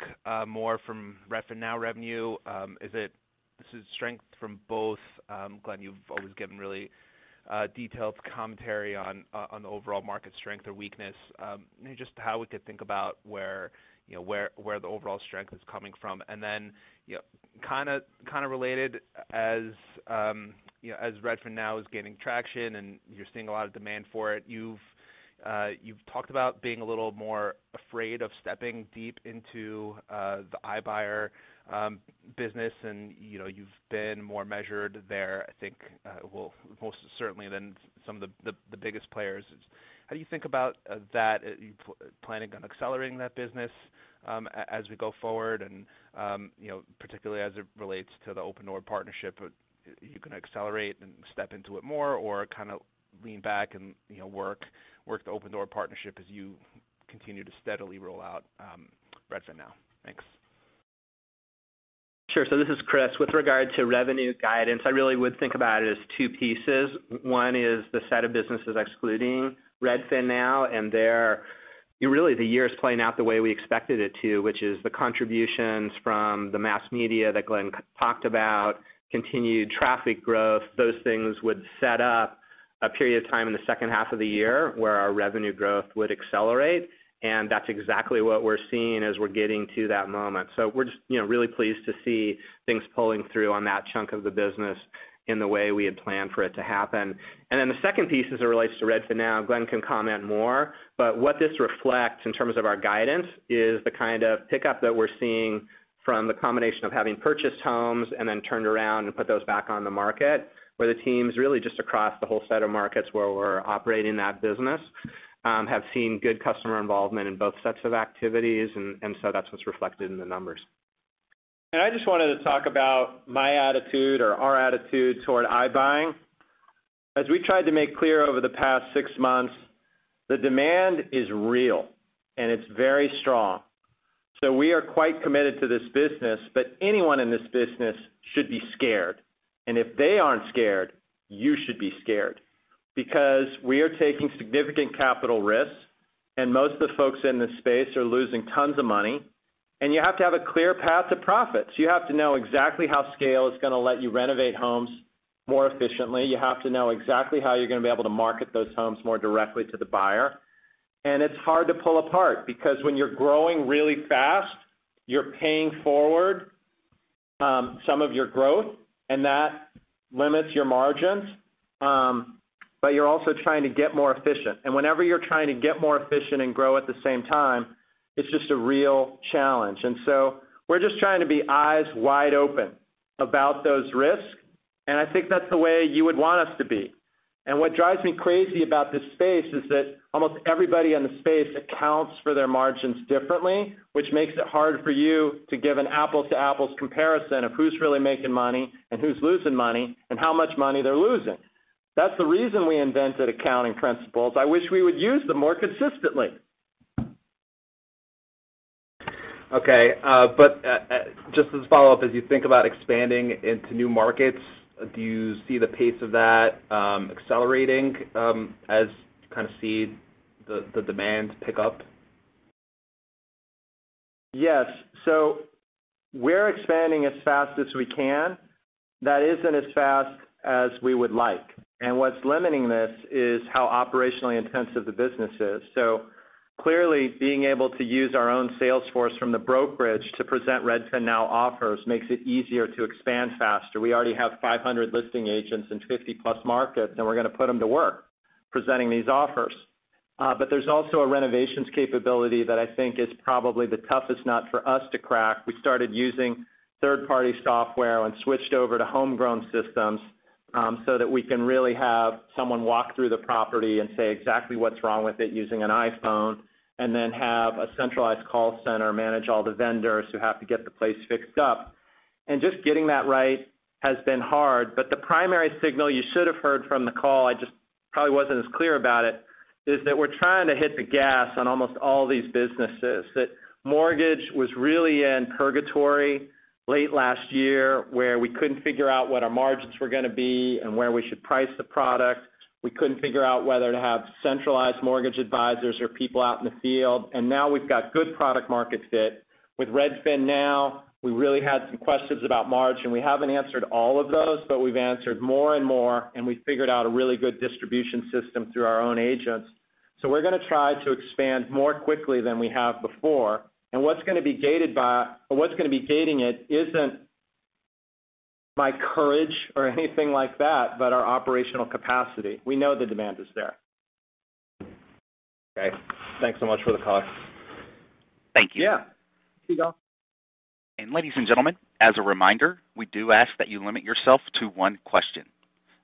Speaker 10: more from RedfinNow revenue? Is it strength from both? Glenn, you've always given really detailed commentary on the overall market strength or weakness. Maybe just how we could think about where the overall strength is coming from. Kind of related, as RedfinNow is gaining traction and you're seeing a lot of demand for it, you've talked about being a little more afraid of stepping deep into the iBuyer business and you've been more measured there, I think, most certainly than some of the biggest players. How do you think about that? Are you planning on accelerating that business as we go forward? Particularly as it relates to the Opendoor partnership, you can accelerate and step into it more, or kind of lean back and work the Opendoor partnership as you continue to steadily roll out RedfinNow. Thanks.
Speaker 4: Sure. This is Chris. With regard to revenue guidance, I really would think about it as two pieces. One is the set of businesses excluding RedfinNow, and there, really the year's playing out the way we expected it to, which is the contributions from the mass media that Glenn talked about, continued traffic growth. Those things would set up a period of time in the second half of the year where our revenue growth would accelerate, and that's exactly what we're seeing as we're getting to that moment. We're just really pleased to see things pulling through on that chunk of the business in the way we had planned for it to happen. The second piece, as it relates to RedfinNow, Glenn can comment more. What this reflects in terms of our guidance is the kind of pickup that we're seeing from the combination of having purchased homes and then turned around and put those back on the market, where the teams really just across the whole set of markets where we're operating that business have seen good customer involvement in both sets of activities. That's what's reflected in the numbers.
Speaker 3: I just wanted to talk about my attitude or our attitude toward iBuying. As we tried to make clear over the past six months, the demand is real and it's very strong. We are quite committed to this business, but anyone in this business should be scared. If they aren't scared, you should be scared, because we are taking significant capital risks, and most of the folks in this space are losing tons of money. You have to have a clear path to profits. You have to know exactly how scale is going to let you renovate homes more efficiently. You have to know exactly how you're going to be able to market those homes more directly to the buyer. It's hard to pull apart because when you're growing really fast, you're paying forward some of your growth, and that limits your margins. You're also trying to get more efficient. Whenever you're trying to get more efficient and grow at the same time, it's just a real challenge. We're just trying to be eyes wide open about those risks, and I think that's the way you would want us to be. What drives me crazy about this space is that almost everybody in the space accounts for their margins differently, which makes it hard for you to give an apples to apples comparison of who's really making money and who's losing money and how much money they're losing. That's the reason we invented accounting principles. I wish we would use them more consistently.
Speaker 10: Okay. Just as a follow-up, as you think about expanding into new markets, do you see the pace of that accelerating as you see the demand pick up?
Speaker 3: Yes. We're expanding as fast as we can. That isn't as fast as we would like. What's limiting this is how operationally intensive the business is. Clearly, being able to use our own sales force from the brokerage to present RedfinNow offers makes it easier to expand faster. We already have 500 listing agents in 50 plus markets, and we're going to put them to work presenting these offers. There's also a renovations capability that I think is probably the toughest nut for us to crack. We started using third-party software and switched over to homegrown systems so that we can really have someone walk through the property and say exactly what's wrong with it using an iPhone, and then have a centralized call center manage all the vendors who have to get the place fixed up. Just getting that right has been hard. The primary signal you should have heard from the call, I just probably wasn't as clear about it, is that we're trying to hit the gas on almost all these businesses. Mortgage was really in purgatory late last year, where we couldn't figure out what our margins were going to be and where we should price the product. We couldn't figure out whether to have centralized mortgage advisors or people out in the field. Now we've got good product market fit. With RedfinNow, we really had some questions about margin, we haven't answered all of those, but we've answered more and more, we figured out a really good distribution system through our own agents. We're going to try to expand more quickly than we have before. What's going to be gating it isn't my courage or anything like that, but our operational capacity. We know the demand is there.
Speaker 10: Okay. Thanks so much for the call.
Speaker 3: Thank you.
Speaker 4: Thank you.
Speaker 3: Yeah. Thank you.
Speaker 1: Ladies and gentlemen, as a reminder, we do ask that you limit yourself to one question.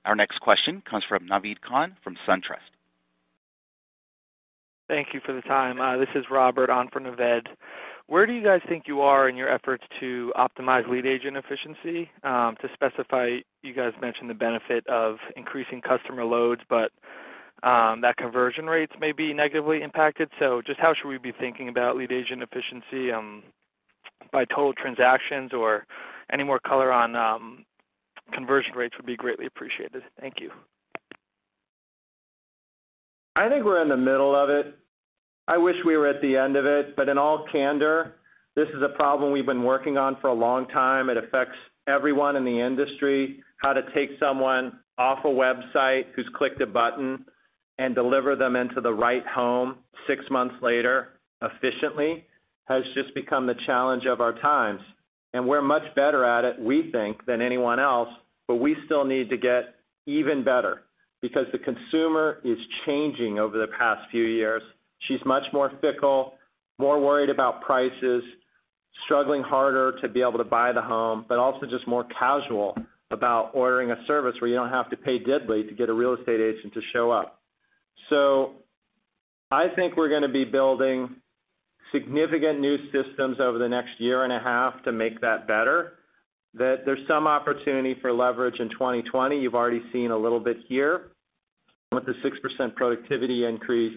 Speaker 1: Our next question comes from Naved Khan from SunTrust.
Speaker 11: Thank you for the time. This is Robert on for Naved. Where do you guys think you are in your efforts to optimize lead agent efficiency? To specify, you guys mentioned the benefit of increasing customer loads, but that conversion rates may be negatively impacted. Just how should we be thinking about lead agent efficiency by total transactions, or any more color on conversion rates would be greatly appreciated. Thank you.
Speaker 3: I think we're in the middle of it. I wish we were at the end of it, but in all candor, this is a problem we've been working on for a long time. It affects everyone in the industry. How to take someone off a website who's clicked a button and deliver them into the right home six months later efficiently has just become the challenge of our times. We're much better at it, we think, than anyone else, but we still need to get even better because the consumer is changing over the past few years. She's much more fickle, more worried about prices, struggling harder to be able to buy the home, but also just more casual about ordering a service where you don't have to pay diddly to get a real estate agent to show up. I think we're going to be building significant new systems over the next year and a half to make that better. There's some opportunity for leverage in 2020. You've already seen a little bit here with the 6% productivity increase.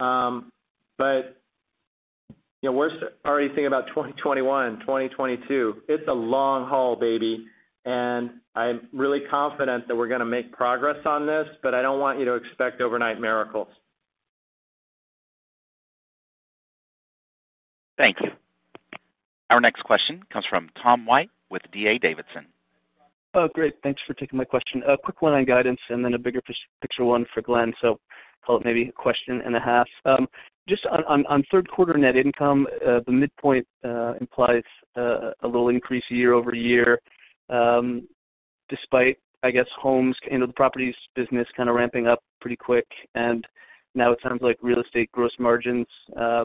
Speaker 3: We're already thinking about 2021, 2022. It's a long haul, baby, and I'm really confident that we're going to make progress on this, but I don't want you to expect overnight miracles.
Speaker 1: Thank you. Our next question comes from Tom White with D.A. Davidson.
Speaker 12: Oh, great. Thanks for taking my question. A quick one on guidance and then a bigger picture one for Glenn. Call it maybe a question and a half. Just on third quarter net income, the midpoint implies a little increase year-over-year, despite, I guess, Homes and the Properties business kind of ramping up pretty quick. Now it sounds like real estate gross margins are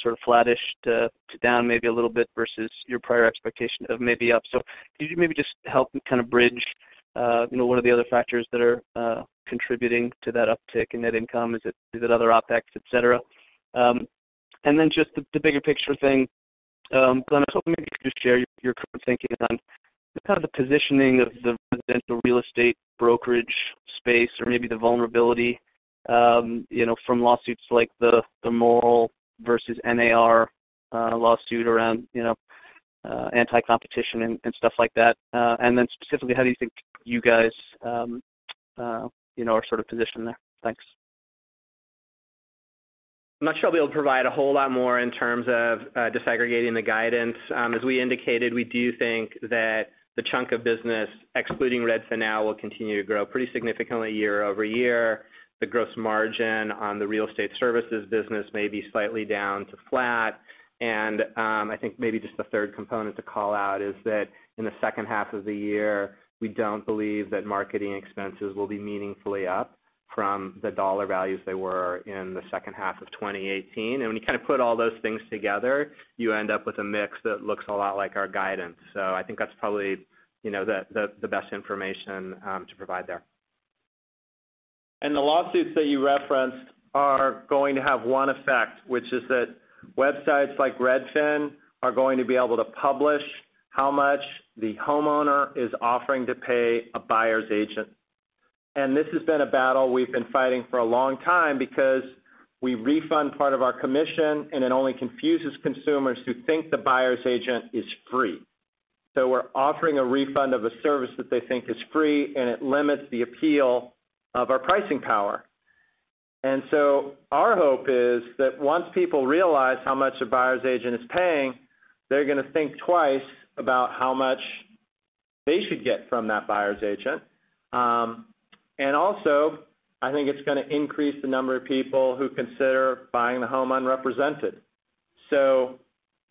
Speaker 12: sort of flattish to down maybe a little bit versus your prior expectation of maybe up. Could you maybe just help kind of bridge what are the other factors that are contributing to that uptick in net income? Is it other OpEx, et cetera? Then just the bigger picture thing, Glenn, I was hoping maybe you could just share your current thinking on the positioning of the residential real estate brokerage space or maybe the vulnerability from lawsuits like the Moehrl versus NAR lawsuit around anti-competition and stuff like that. Then specifically, how do you think you guys are positioned there? Thanks.
Speaker 4: I'm not sure I'll be able to provide a whole lot more in terms of disaggregating the guidance. As we indicated, we do think that the chunk of business, excluding RedfinNow, will continue to grow pretty significantly year-over-year. The gross margin on the real estate services business may be slightly down to flat. I think maybe just the third component to call out is that in the second half of the year, we don't believe that marketing expenses will be meaningfully up from the dollar values they were in the second half of 2018. When you put all those things together, you end up with a mix that looks a lot like our guidance. I think that's probably the best information to provide there.
Speaker 3: The lawsuits that you referenced are going to have one effect, which is that websites like Redfin are going to be able to publish how much the homeowner is offering to pay a buyer's agent. This has been a battle we've been fighting for a long time because we refund part of our commission, and it only confuses consumers who think the buyer's agent is free. We're offering a refund of a service that they think is free, and it limits the appeal of our pricing power. Our hope is that once people realize how much a buyer's agent is paying, they're going to think twice about how much they should get from that buyer's agent. Also, I think it's going to increase the number of people who consider buying a home unrepresented.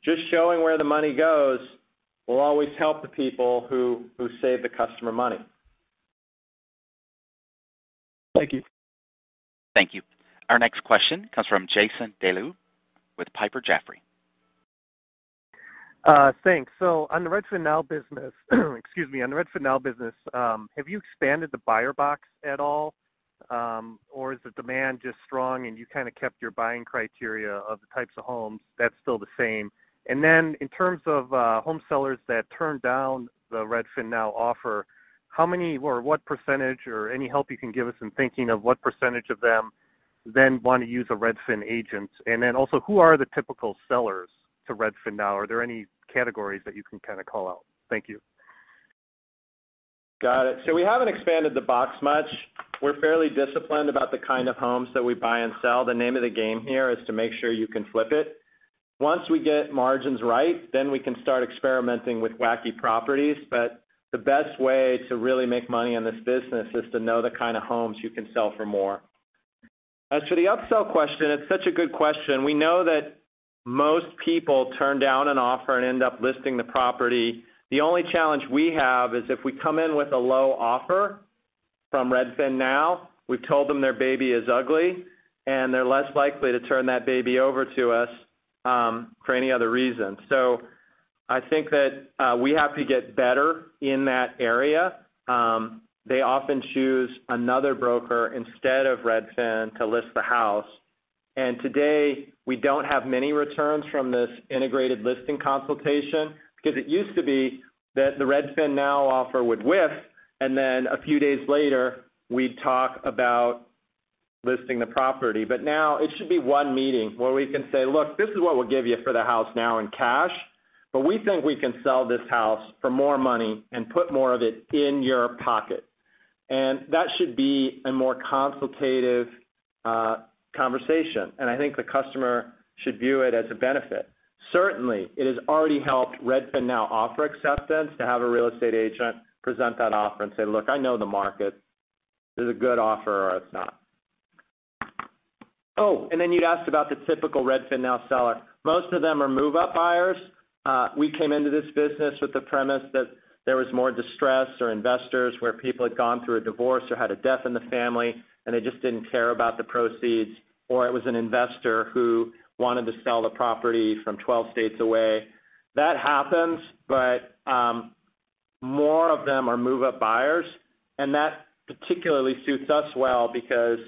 Speaker 3: Just showing where the money goes will always help the people who save the customer money.
Speaker 12: Thank you.
Speaker 1: Thank you. Our next question comes from Jason Deleeuw with Piper Jaffray.
Speaker 13: Thanks. On the RedfinNow business, excuse me, on the Redfin Now business, have you expanded the buyer box at all? Is the demand just strong and you kept your buying criteria of the types of homes that is still the same? In terms of home sellers that turn down the Redfin Now offer, what percentage, or any help you can give us in thinking of what percentage of them then want to use a Redfin agent? Also, who are the typical sellers to Redfin Now? Are there any categories that you can call out? Thank you.
Speaker 3: Got it. We haven't expanded the box much. We're fairly disciplined about the kind of homes that we buy and sell. The name of the game here is to make sure you can flip it. Once we get margins right, then we can start experimenting with wacky properties, but the best way to really make money on this business is to know the kind of homes you can sell for more. As to the upsell question, it's such a good question. We know that most people turn down an offer and end up listing the property. The only challenge we have is if we come in with a low offer from RedfinNow, we've told them their baby is ugly, and they're less likely to turn that baby over to us for any other reason. I think that we have to get better in that area. They often choose another broker instead of Redfin to list the house. Today, we don't have many returns from this integrated listing consultation, because it used to be that the RedfinNow offer would whiff, and then a few days later, we'd talk about listing the property. Now it should be one meeting where we can say, "Look, this is what we'll give you for the house now in cash, but we think we can sell this house for more money and put more of it in your pocket." That should be a more consultative conversation. I think the customer should view it as a benefit. Certainly, it has already helped RedfinNow offer acceptance to have a real estate agent present that offer and say, "Look, I know the market. This is a good offer or it's not. Oh, you'd asked about the typical RedfinNow seller. Most of them are move-up buyers. We came into this business with the premise that there was more distress or investors where people had gone through a divorce or had a death in the family, and they just didn't care about the proceeds, or it was an investor who wanted to sell the property from 12 states away. That happens, but more of them are move-up buyers, and that particularly suits us well because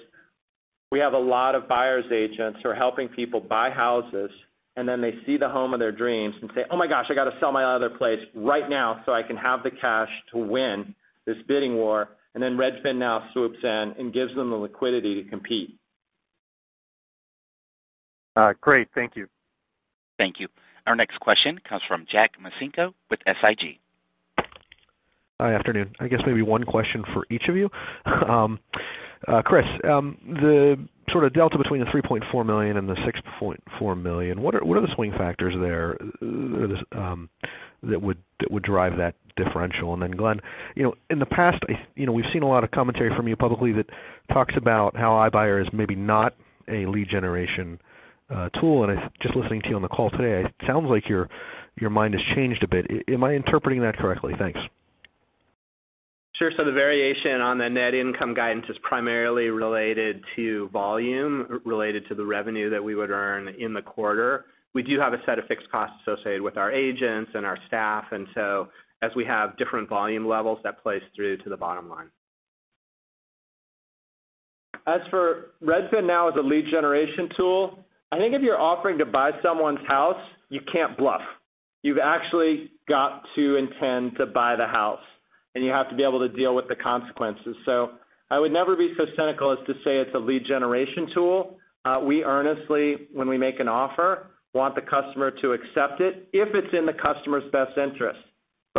Speaker 3: we have a lot of buyer's agents who are helping people buy houses, and then they see the home of their dreams and say, "Oh my gosh, I got to sell my other place right now so I can have the cash to win this bidding war." Then RedfinNow swoops in and gives them the liquidity to compete.
Speaker 13: Great. Thank you.
Speaker 1: Thank you. Our next question comes from Jack Micenko with SIG.
Speaker 14: Hi, afternoon. I guess maybe one question for each of you. Chris, the delta between the $3.4 million and the $6.4 million, what are the swing factors there that would drive that differential? Glenn, in the past, we've seen a lot of commentary from you publicly that talks about how iBuyer is maybe not a lead generation tool, and just listening to you on the call today, it sounds like your mind has changed a bit. Am I interpreting that correctly? Thanks.
Speaker 4: Sure, the-ation on the net income guidance is primarily related to volume, related to the revenue that we would earn in the quarter. We do have a set of fixed costs associated with our agents and our staff, as we have different volume levels, that plays through to the bottom line. As for RedfinNow as a lead generation tool, I think if you're offering to buy someone's house, you can't bluff. You've actually got to intend to buy the house, and you have to be able to deal with the consequences. I would never be so cynical as to say it's a lead generation tool. We earnestly, when we make an offer, want the customer to accept it if it's in the customer's best interest.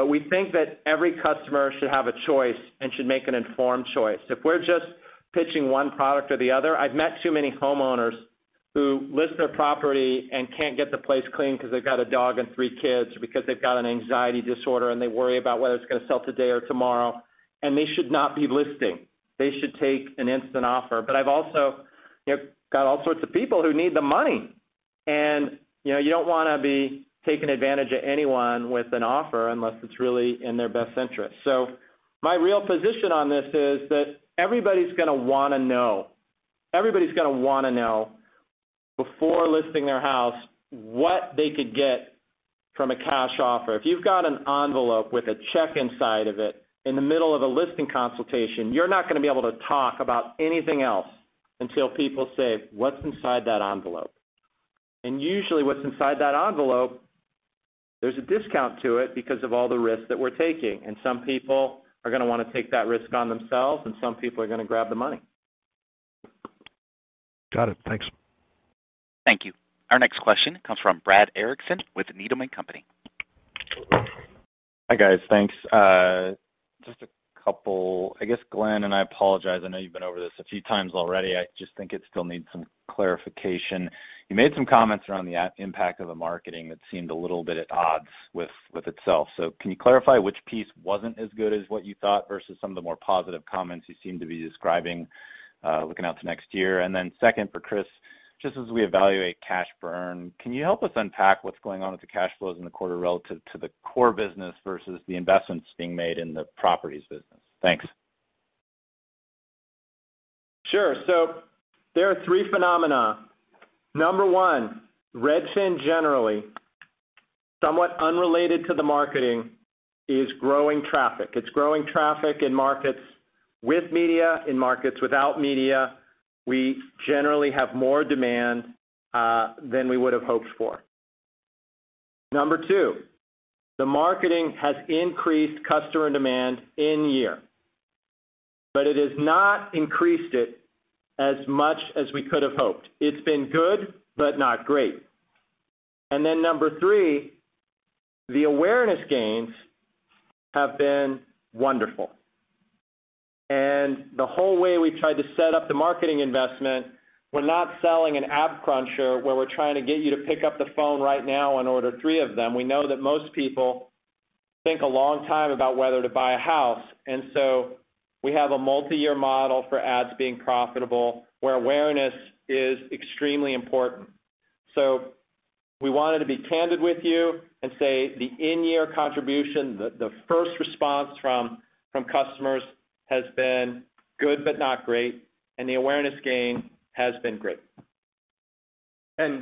Speaker 4: We think that every customer should have a choice and should make an informed choice.
Speaker 3: If we're just pitching one product or the other, I've met too many homeowners who list their property and can't get the place clean because they've got a dog and three kids, or because they've got an anxiety disorder and they worry about whether it's going to sell today or tomorrow, and they should not be listing. They should take an instant offer. I've also got all sorts of people who need the money, and you don't want to be taking advantage of anyone with an offer unless it's really in their best interest. My real position on this is that everybody's going to want to know before listing their house what they could get from a cash offer. If you've got an envelope with a check inside of it in the middle of a listing consultation, you're not going to be able to talk about anything else until people say, "What's inside that envelope?" Usually what's inside that envelope, there's a discount to it because of all the risks that we're taking, and some people are going to want to take that risk on themselves, and some people are going to grab the money.
Speaker 14: Got it. Thanks.
Speaker 1: Thank you. Our next question comes from Brad Erickson with Needham & Company.
Speaker 15: Hi, guys. Thanks. Just a couple, I guess, Glenn. I apologize, I know you've been over this a few times already. I just think it still needs some clarification. You made some comments around the impact of the marketing that seemed a little bit at odds with itself. Can you clarify which piece wasn't as good as what you thought versus some of the more positive comments you seem to be describing looking out to next year? Second for Chris, just as we evaluate cash burn, can you help us unpack what's going on with the cash flows in the quarter relative to the core business versus the investments being made in the properties business? Thanks.
Speaker 3: Sure. There are three phenomena. Number 1, Redfin generally, somewhat unrelated to the marketing, is growing traffic. It's growing traffic in markets with media, in markets without media. We generally have more demand than we would have hoped for. Number 2, the marketing has increased customer demand in year, but it has not increased it as much as we could have hoped. It's been good but not great. Number 3, the awareness gains have been wonderful. The whole way we tried to set up the marketing investment, we're not selling an app cruncher, where we're trying to get you to pick up the phone right now and order three of them. We know that most people think a long time about whether to buy a house. We have a multi-year model for ads being profitable, where awareness is extremely important.
Speaker 4: We wanted to be candid with you and say the in-year contribution, the first response from customers has been good but not great, and the awareness gain has been great.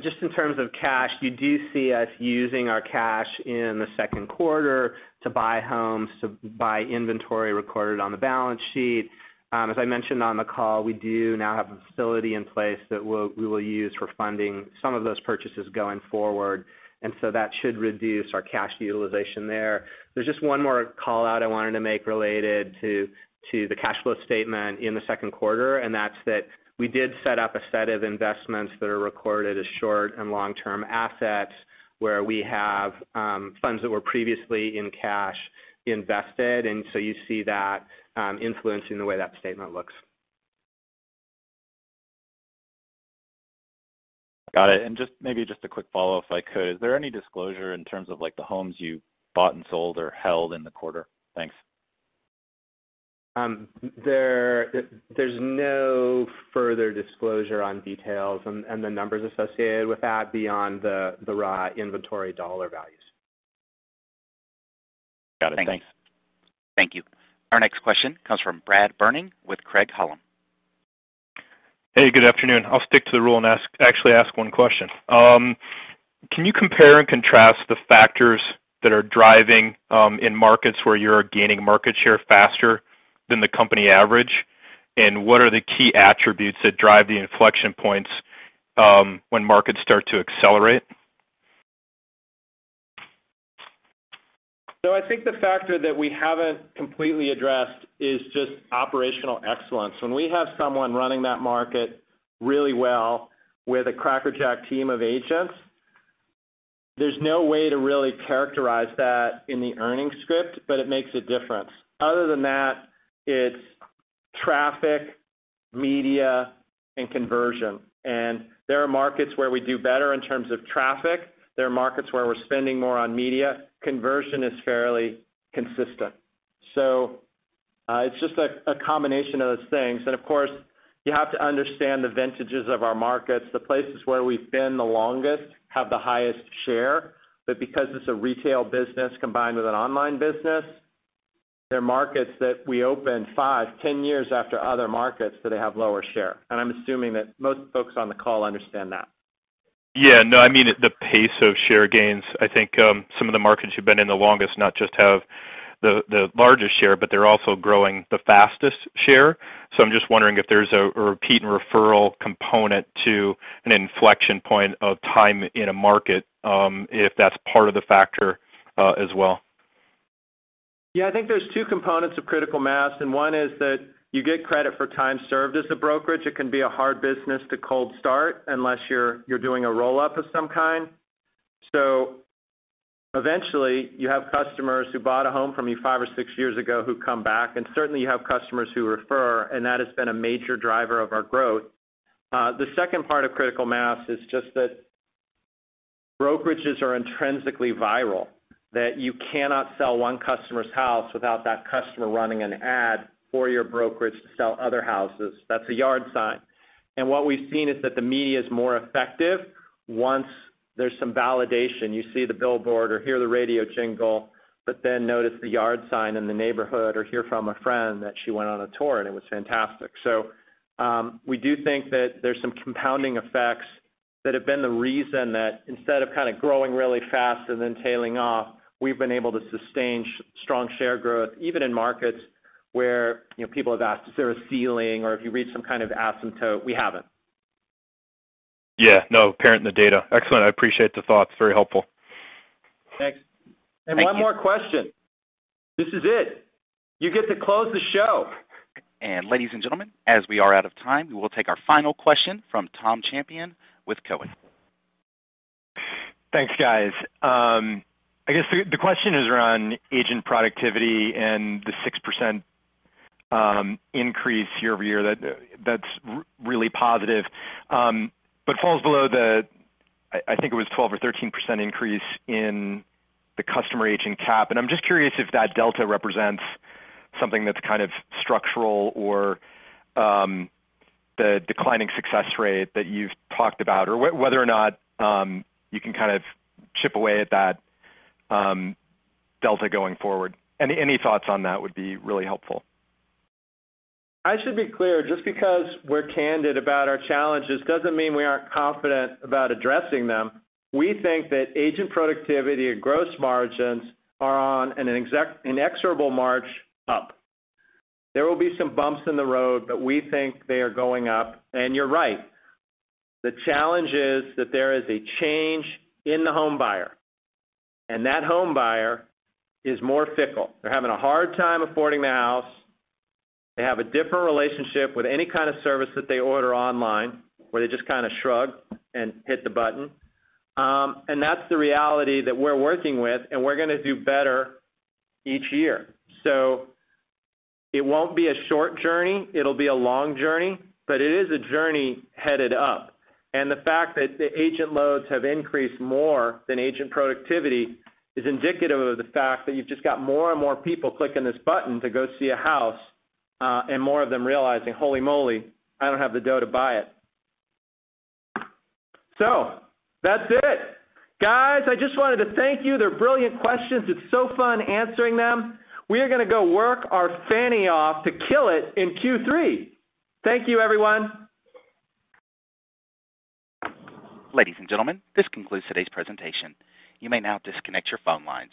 Speaker 4: Just in terms of cash, you do see us using our cash in the second quarter to buy homes, to buy inventory recorded on the balance sheet. As I mentioned on the call, we do now have a facility in place that we will use for funding some of those purchases going forward, and so that should reduce our cash utilization there. There's just one more call-out I wanted to make related to the cash flow statement in the second quarter. That's that we did set up a set of investments that are recorded as short and long-term assets, where we have funds that were previously in cash invested. You see that influencing the way that statement looks.
Speaker 15: Got it. Maybe just a quick follow-up if I could. Is there any disclosure in terms of the homes you bought and sold or held in the quarter? Thanks.
Speaker 4: There's no further disclosure on details and the numbers associated with that beyond the raw inventory dollar values.
Speaker 15: Got it. Thanks.
Speaker 1: Thank you. Our next question comes from Brad Berning with Craig-Hallum.
Speaker 16: Hey, good afternoon. I'll stick to the rule and actually ask one question. Can you compare and contrast the factors that are driving in markets where you're gaining market share faster than the company average? What are the key attributes that drive the inflection points when markets start to accelerate?
Speaker 3: I think the factor that we haven't completely addressed is just operational excellence. When we have someone running that market really well with a crackerjack team of agents, there's no way to really characterize that in the earnings script, but it makes a difference. Other than that, it's traffic, media, and conversion. There are markets where we do better in terms of traffic. There are markets where we're spending more on media. Conversion is fairly consistent. It's just a combination of those things. You have to understand the vintages of our markets. The places where we've been the longest have the highest share, but because it's a retail business combined with an online business, they're markets that we open five, 10 years after other markets, so they have lower share. I'm assuming that most folks on the call understand that.
Speaker 16: No, I mean the pace of share gains. I think some of the markets you've been in the longest not just have the largest share, but they're also growing the fastest share. I'm just wondering if there's a repeat and referral component to an inflection point of time in a market, if that's part of the factor as well.
Speaker 3: I think there's two components of critical mass. One is that you get credit for time served as a brokerage. It can be a hard business to cold start unless you're doing a roll-up of some kind. Eventually, you have customers who bought a home from you five or six years ago who come back, and certainly you have customers who refer, and that has been a major driver of our growth. The second part of critical mass is just that brokerages are intrinsically viral, that you cannot sell one customer's house without that customer running an ad for your brokerage to sell other houses. That's a yard sign. What we've seen is that the media's more effective once there's some validation. You see the billboard or hear the radio jingle, but then notice the yard sign in the neighborhood or hear from a friend that she went on a tour and it was fantastic. We do think that there's some compounding effects that have been the reason that instead of growing really fast and then tailing off, we've been able to sustain strong share growth, even in markets where people have asked if there's a ceiling or if you reach some kind of asymptote. We haven't.
Speaker 16: Yeah. No, apparent in the data. Excellent. I appreciate the thoughts. Very helpful.
Speaker 3: Thanks.
Speaker 1: Thank you.
Speaker 3: One more question. This is it. You get to close the show.
Speaker 1: ladies and gentlemen, as we are out of time, we will take our final question from Tom Champion with Cowen.
Speaker 17: Thanks, guys. I guess the question is around agent productivity and the 6% increase year-over-year. That's really positive, but falls below the, I think it was 12% or 13% increase in the customer agent cap. I'm just curious if that delta represents something that's structural or the declining success rate that you've talked about, or whether or not you can chip away at that delta going forward. Any thoughts on that would be really helpful.
Speaker 3: I should be clear, just because we're candid about our challenges doesn't mean we aren't confident about addressing them. We think that agent productivity and gross margins are on an inexorable march up. There will be some bumps in the road, but we think they are going up. You're right. The challenge is that there is a change in the home buyer, and that home buyer is more fickle. They're having a hard time affording the house. They have a different relationship with any kind of service that they order online, where they just kind of shrug and hit the button. That's the reality that we're working with, and we're going to do better each year. It won't be a short journey, it'll be a long journey, but it is a journey headed up. The fact that the agent loads have increased more than agent productivity is indicative of the fact that you've just got more and more people clicking this button to go see a house, and more of them realizing, "Holy moly, I don't have the dough to buy it." That's it. Guys, I just wanted to thank you. They're brilliant questions. It's so fun answering them. We are going to go work our fanny off to kill it in Q3. Thank you, everyone.
Speaker 1: Ladies and gentlemen, this concludes today's presentation. You may now disconnect your phone lines.